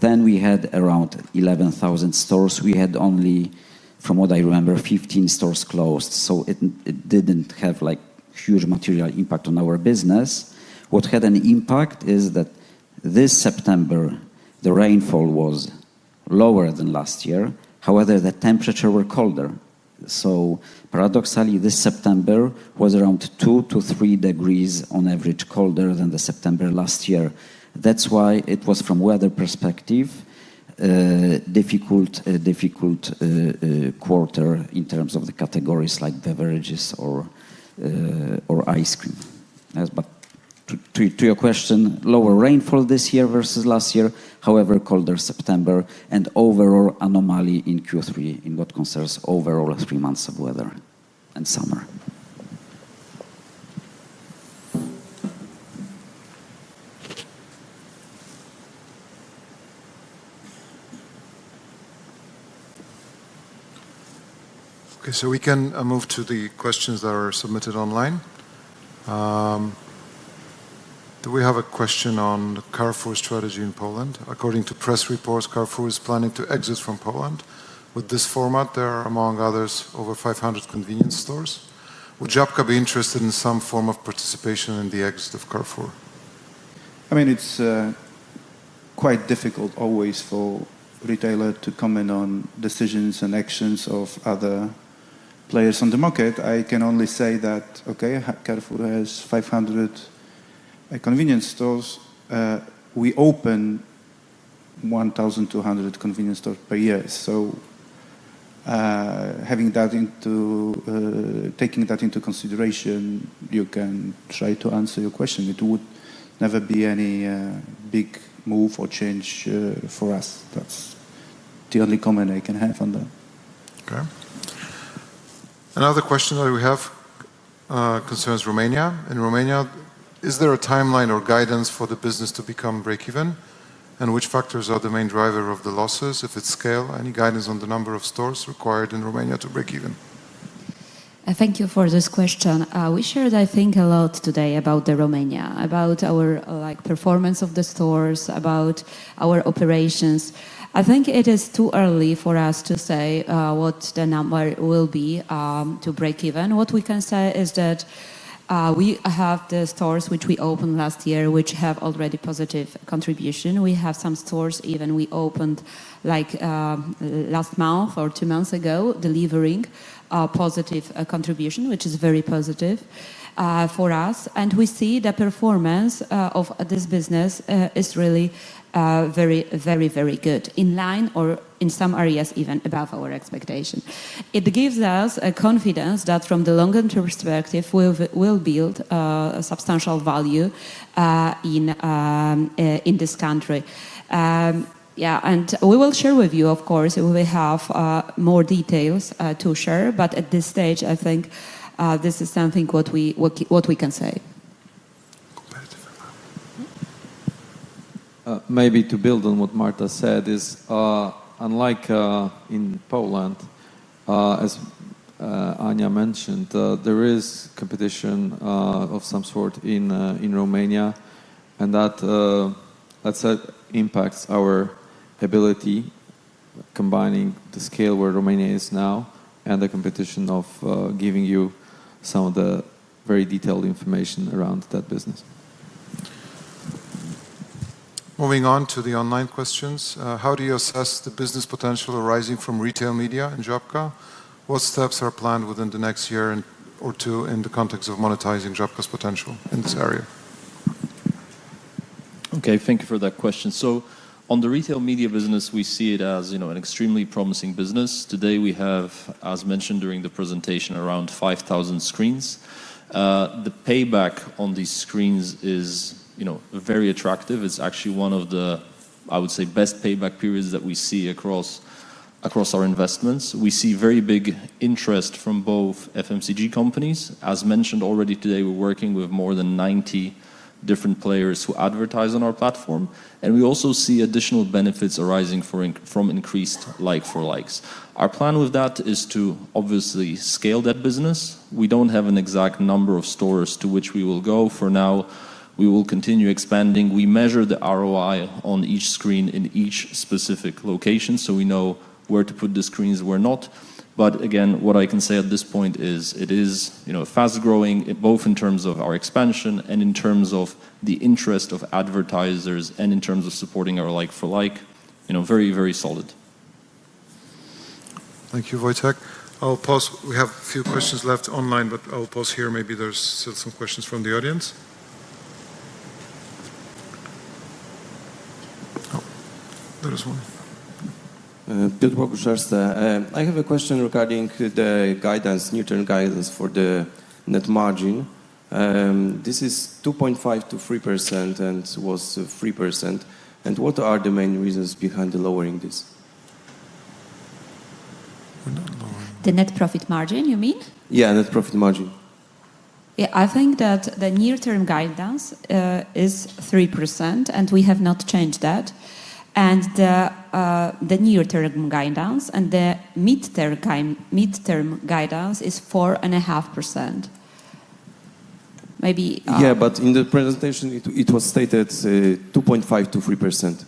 time, we had around 11,000 stores. We had only, from what I remember, 15 stores closed. It didn't have a huge material impact on our business. What had an impact is that this September, the rainfall was lower than last year. However, the temperatures were colder. Paradoxically, this September was around 2-3 degrees on average colder than September last year. That is why it was, from a weather perspective, a difficult quarter in terms of the categories like beverages or ice cream. To your question, lower rainfall this year versus last year, however, colder September, and overall anomaly in Q3 in what concerns overall three months of weather and summer. Okay, we can move to the questions that are submitted online. Do we have a question on the Carrefour strategy in Poland? According to press reports, Carrefour is planning to exit from Poland. With this format, there are, among others, over 500 convenience stores. Would Żabka be interested in some form of participation in the exit of Carrefour? I mean, it's quite difficult always for a retailer to comment on decisions and actions of other players on the market. I can only say that, okay, Carrefour has 500 convenience stores. We open 1,200 convenience stores per year. Having that into consideration, you can try to answer your question. It would never be any big move or change for us. That's the only comment I can have on that. Okay. Another question that we have concerns Romania. In Romania, is there a timeline or guidance for the business to become break-even? Which factors are the main drivers of the losses if it's scale? Any guidance on the number of stores required in Romania to break even? Thank you for this question. We shared, I think, a lot today about Romania, about our performance of the stores, about our operations. I think it is too early for us to say what the number will be to break even. What we can say is that we have the stores which we opened last year, which have already positive contribution. We have some stores even we opened like last month or two months ago delivering a positive contribution, which is very positive for us. We see the performance of this business is really very, very, very good, in line or in some areas even above our expectation. It gives us confidence that from the long-term perspective, we will build a substantial value in this country. We will share with you, of course, we will have more details to share, but at this stage, I think this is something what we can say. Maybe to build on what Marta said is, unlike in Poland, as Anna Grabowska mentioned, there is competition of some sort in Romania, and that impacts our ability, combining the scale where Romania is now and the competition, of giving you some of the very detailed information around that business. Moving on to the online questions. How do you assess the business potential arising from retail media in Żabka? What steps are planned within the next year or two in the context of monetizing Żabka's potential in this area? Okay, thank you for that question. On the retail media business, we see it as an extremely promising business. Today, we have, as mentioned during the presentation, around 5,000 screens. The payback on these screens is very attractive. It's actually one of the, I would say, best payback periods that we see across our investments. We see very big interest from both FMCG companies. As mentioned already today, we're working with more than 90 different players who advertise on our platform. We also see additional benefits arising from increased Like-for-Like sales. Our plan with that is to obviously scale that business. We don't have an exact number of stores to which we will go. For now, we will continue expanding. We measure the ROI on each screen in each specific location so we know where to put the screens and where not. What I can say at this point is it is fast growing, both in terms of our expansion and in terms of the interest of advertisers and in terms of supporting our Like-for-Like, very, very solid. Thank you, Wojciech. I'll pause. We have a few questions left online, but I'll pause here. Maybe there's still some questions from the audience. Oh, there is one. I have a question regarding the guidance, new term guidance for the net margin. This is 2.5%-3% and was 3%. What are the main reasons behind lowering this? The net profit margin, you mean? Yeah, net profit margin. I think that the near-term guidance is 3% and we have not changed that. The near-term guidance and the mid-term guidance is 4.5%. Maybe. Yeah, in the presentation, it was stated 2.5%-3%.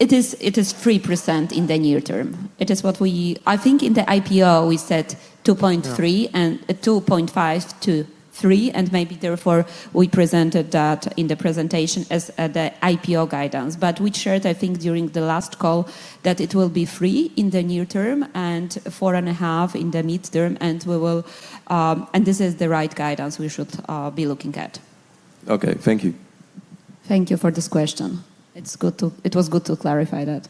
It is 3% in the near term. It is what we, I think in the IPO, we said 2.3% and 2.5%-3%. Therefore, we presented that in the presentation as the IPO guidance. We shared, I think, during the last call that it will be 3% in the near term and 4.5% in the mid-term. This is the right guidance we should be looking at. Okay, thank you. Thank you for this question. It was good to clarify that.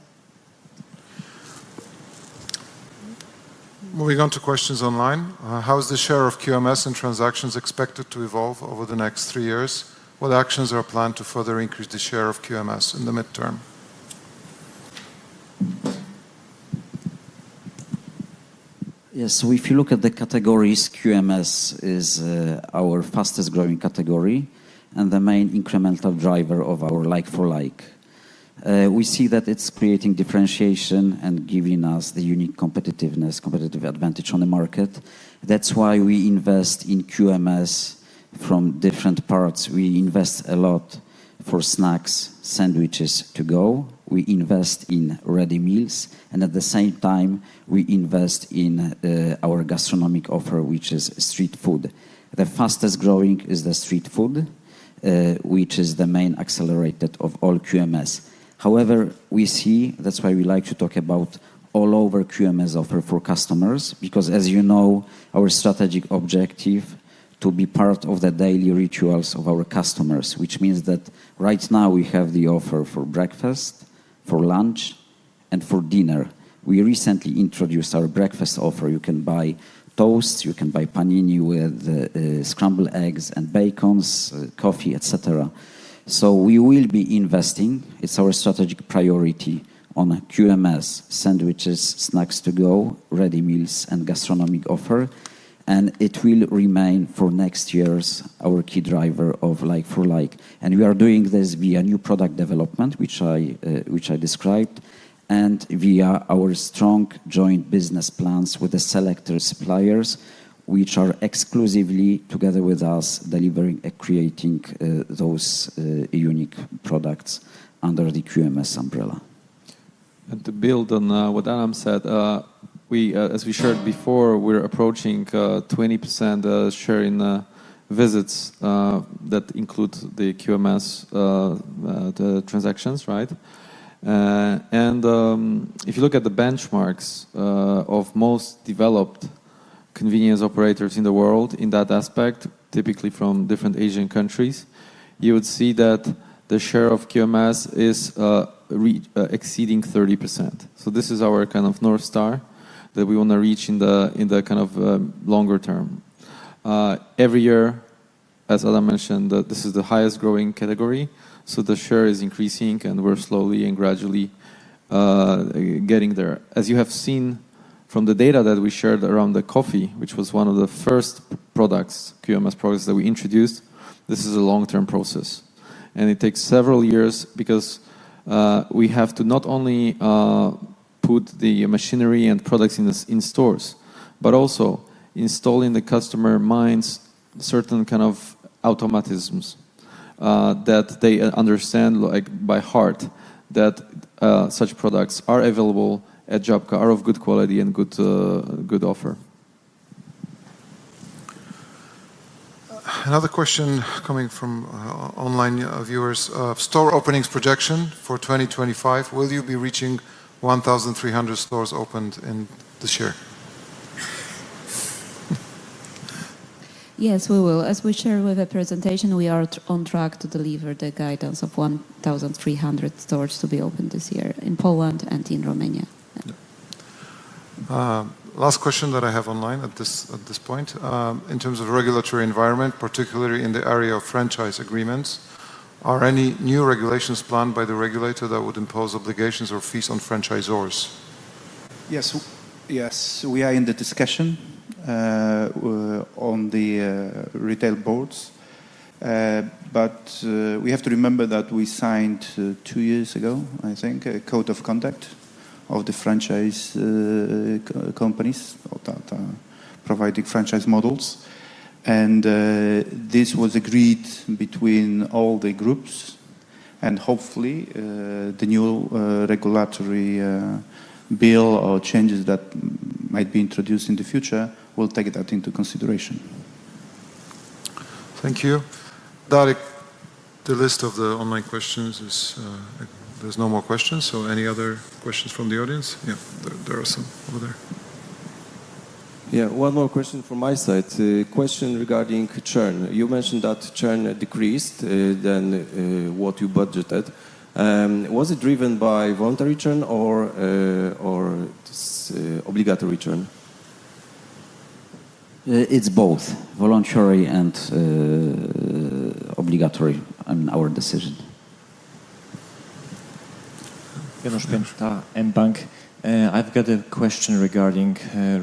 Moving on to questions online. How is the share of QMS and transactions expected to evolve over the next three years? What actions are planned to further increase the share of QMS in the mid-term? Yes, so if you look at the categories, QMS is our fastest growing category and the main incremental driver of our Like-for-Like. We see that it's creating differentiation and giving us the unique competitiveness, competitive advantage on the market. That's why we invest in QMS from different parts. We invest a lot for snacks, sandwiches to go. We invest in ready meals. At the same time, we invest in our gastronomic offer, which is street food. The fastest growing is the street food, which is the main accelerator of all QMS. We see, that's why we like to talk about all over QMS offer for customers, because as you know, our strategic objective is to be part of the daily rituals of our customers, which means that right now we have the offer for breakfast, for lunch, and for dinner. We recently introduced our breakfast offer. You can buy toast, you can buy panini with scrambled eggs and bacons, coffee, etc. We will be investing. It's our strategic priority on QMS, sandwiches, snacks to go, ready meals, and gastronomic offer. It will remain for next year's our key driver of Like-for-Like. We are doing this via new product development, which I described, and via our strong joint business plans with the selector suppliers, which are exclusively together with us delivering and creating those unique products under the QMS umbrella. To build on what Adam said, as we shared before, we're approaching 20% share in visits that include the QMS transactions, right? If you look at the benchmarks of most developed convenience operators in the world in that aspect, typically from different Asian countries, you would see that the share of QMS is exceeding 30%. This is our kind of North Star that we want to reach in the longer term. Every year, as Adam mentioned, this is the highest growing category. The share is increasing and we're slowly and gradually getting there. As you have seen from the data that we shared around the coffee, which was one of the first QMS products that we introduced, this is a long-term process. It takes several years because we have to not only put the machinery and products in stores, but also install in the customer minds certain kind of automatisms that they understand by heart that such products are available at Żabka, are of good quality and good offer. Another question coming from online viewers. Store openings projection for 2025, will you be reaching 1,300 stores opened in this year? Yes, we will. As we shared with the presentation, we are on track to deliver the guidance of 1,300 stores to be opened this year in Poland and in Romania. Last question that I have online at this point. In terms of the regulatory environment, particularly in the area of franchise agreements, are any new regulations planned by the regulator that would impose obligations or fees on franchisors? Yes, yes, we are in the discussion on the retail boards, but we have to remember that we signed two years ago, I think, a code of conduct of the franchise companies providing franchise models. This was agreed between all the groups. Hopefully, the new regulatory bill or changes that might be introduced in the future will take that into consideration. Thank you. The list of the online questions is there's no more questions. Are there any other questions from the audience? Yeah, there are some over there. Yeah, one more question from my side. A question regarding churn. You mentioned that churn decreased than what you budgeted. Was it driven by voluntary churn or obligatory churn? It's both voluntary and obligatory in our decision. I've got a question regarding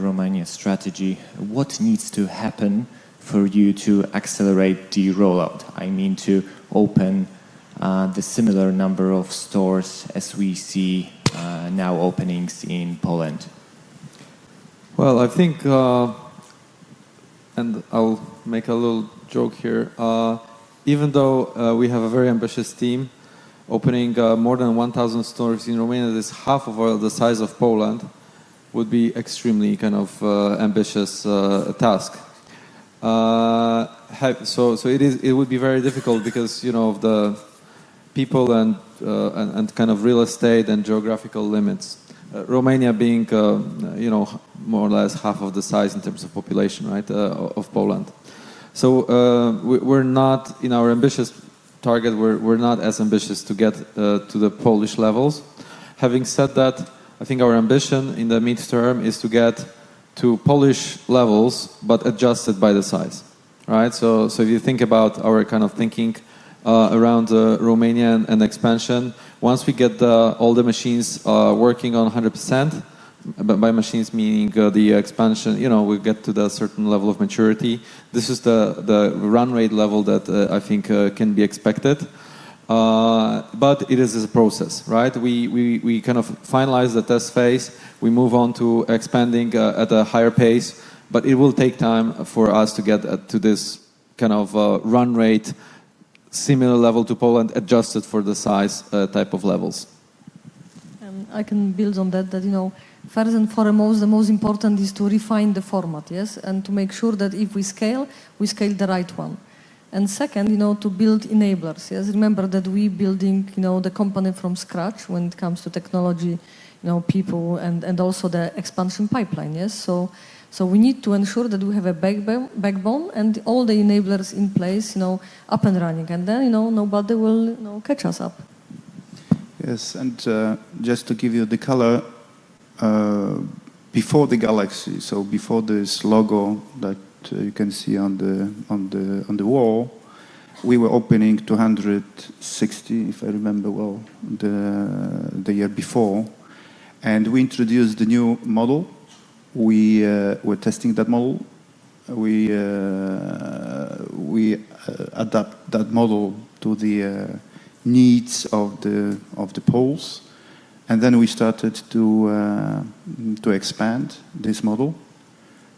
Romania's strategy. What needs to happen for you to accelerate the rollout? I mean to open the similar number of stores as we see now openings in Poland. I think, and I'll make a little joke here, even though we have a very ambitious team opening more than 1,000 stores in Romania, half of the size of Poland would be an extremely kind of ambitious task. It would be very difficult because of the people and kind of real estate and geographical limits, Romania being more or less half of the size in terms of population, right, of Poland. We're not in our ambitious target. We're not as ambitious to get to the Polish levels. Having said that, I think our ambition in the mid-term is to get to Polish levels, but adjusted by the size, right? If you think about our kind of thinking around Romania and expansion, once we get all the machines working on 100%, by machines meaning the expansion, you know, we get to the certain level of maturity. This is the run rate level that I think can be expected. It is a process, right? We kind of finalize the test phase. We move on to expanding at a higher pace, but it will take time for us to get to this kind of run rate, similar level to Poland, adjusted for the size type of levels. I can build on that. First and foremost, the most important is to refine the format, yes, and to make sure that if we scale, we scale the right one. Second, to build enablers. Yes, remember that we are building the company from scratch when it comes to technology, people, and also the expansion pipeline, yes. We need to ensure that we have a backbone and all the enablers in place, up and running. Then, nobody will catch us up. Yes, and just to give you the color, before the galaxy, so before this logo that you can see on the wall, we were opening 260, if I remember well, the year before. We introduced the new model. We were testing that model. We adapted that model to the needs of the Poles. We started to expand this model.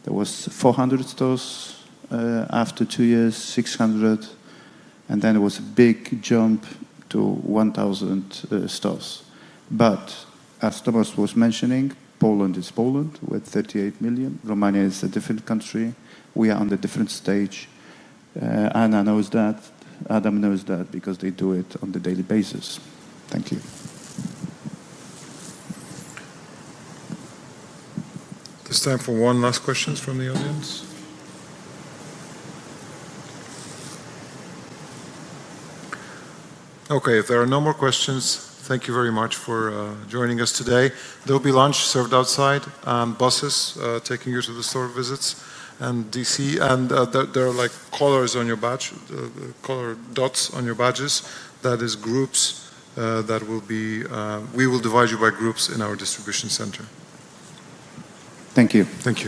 There were 400 stores after two years, 600. It was a big jump to 1,000 stores. As Tomasz was mentioning, Poland is Poland with 38 million. Romania is a different country. We are on a different stage. Anna knows that. Adam knows that because they do it on a daily basis. Thank you. It's time for one last question from the audience. Okay, if there are no more questions, thank you very much for joining us today. There will be lunch served outside, and buses taking you to the store visits and D.C. There are colors on your badge, color dots on your badges. That is groups that we will divide you by in our distribution center. Thank you. Thank you.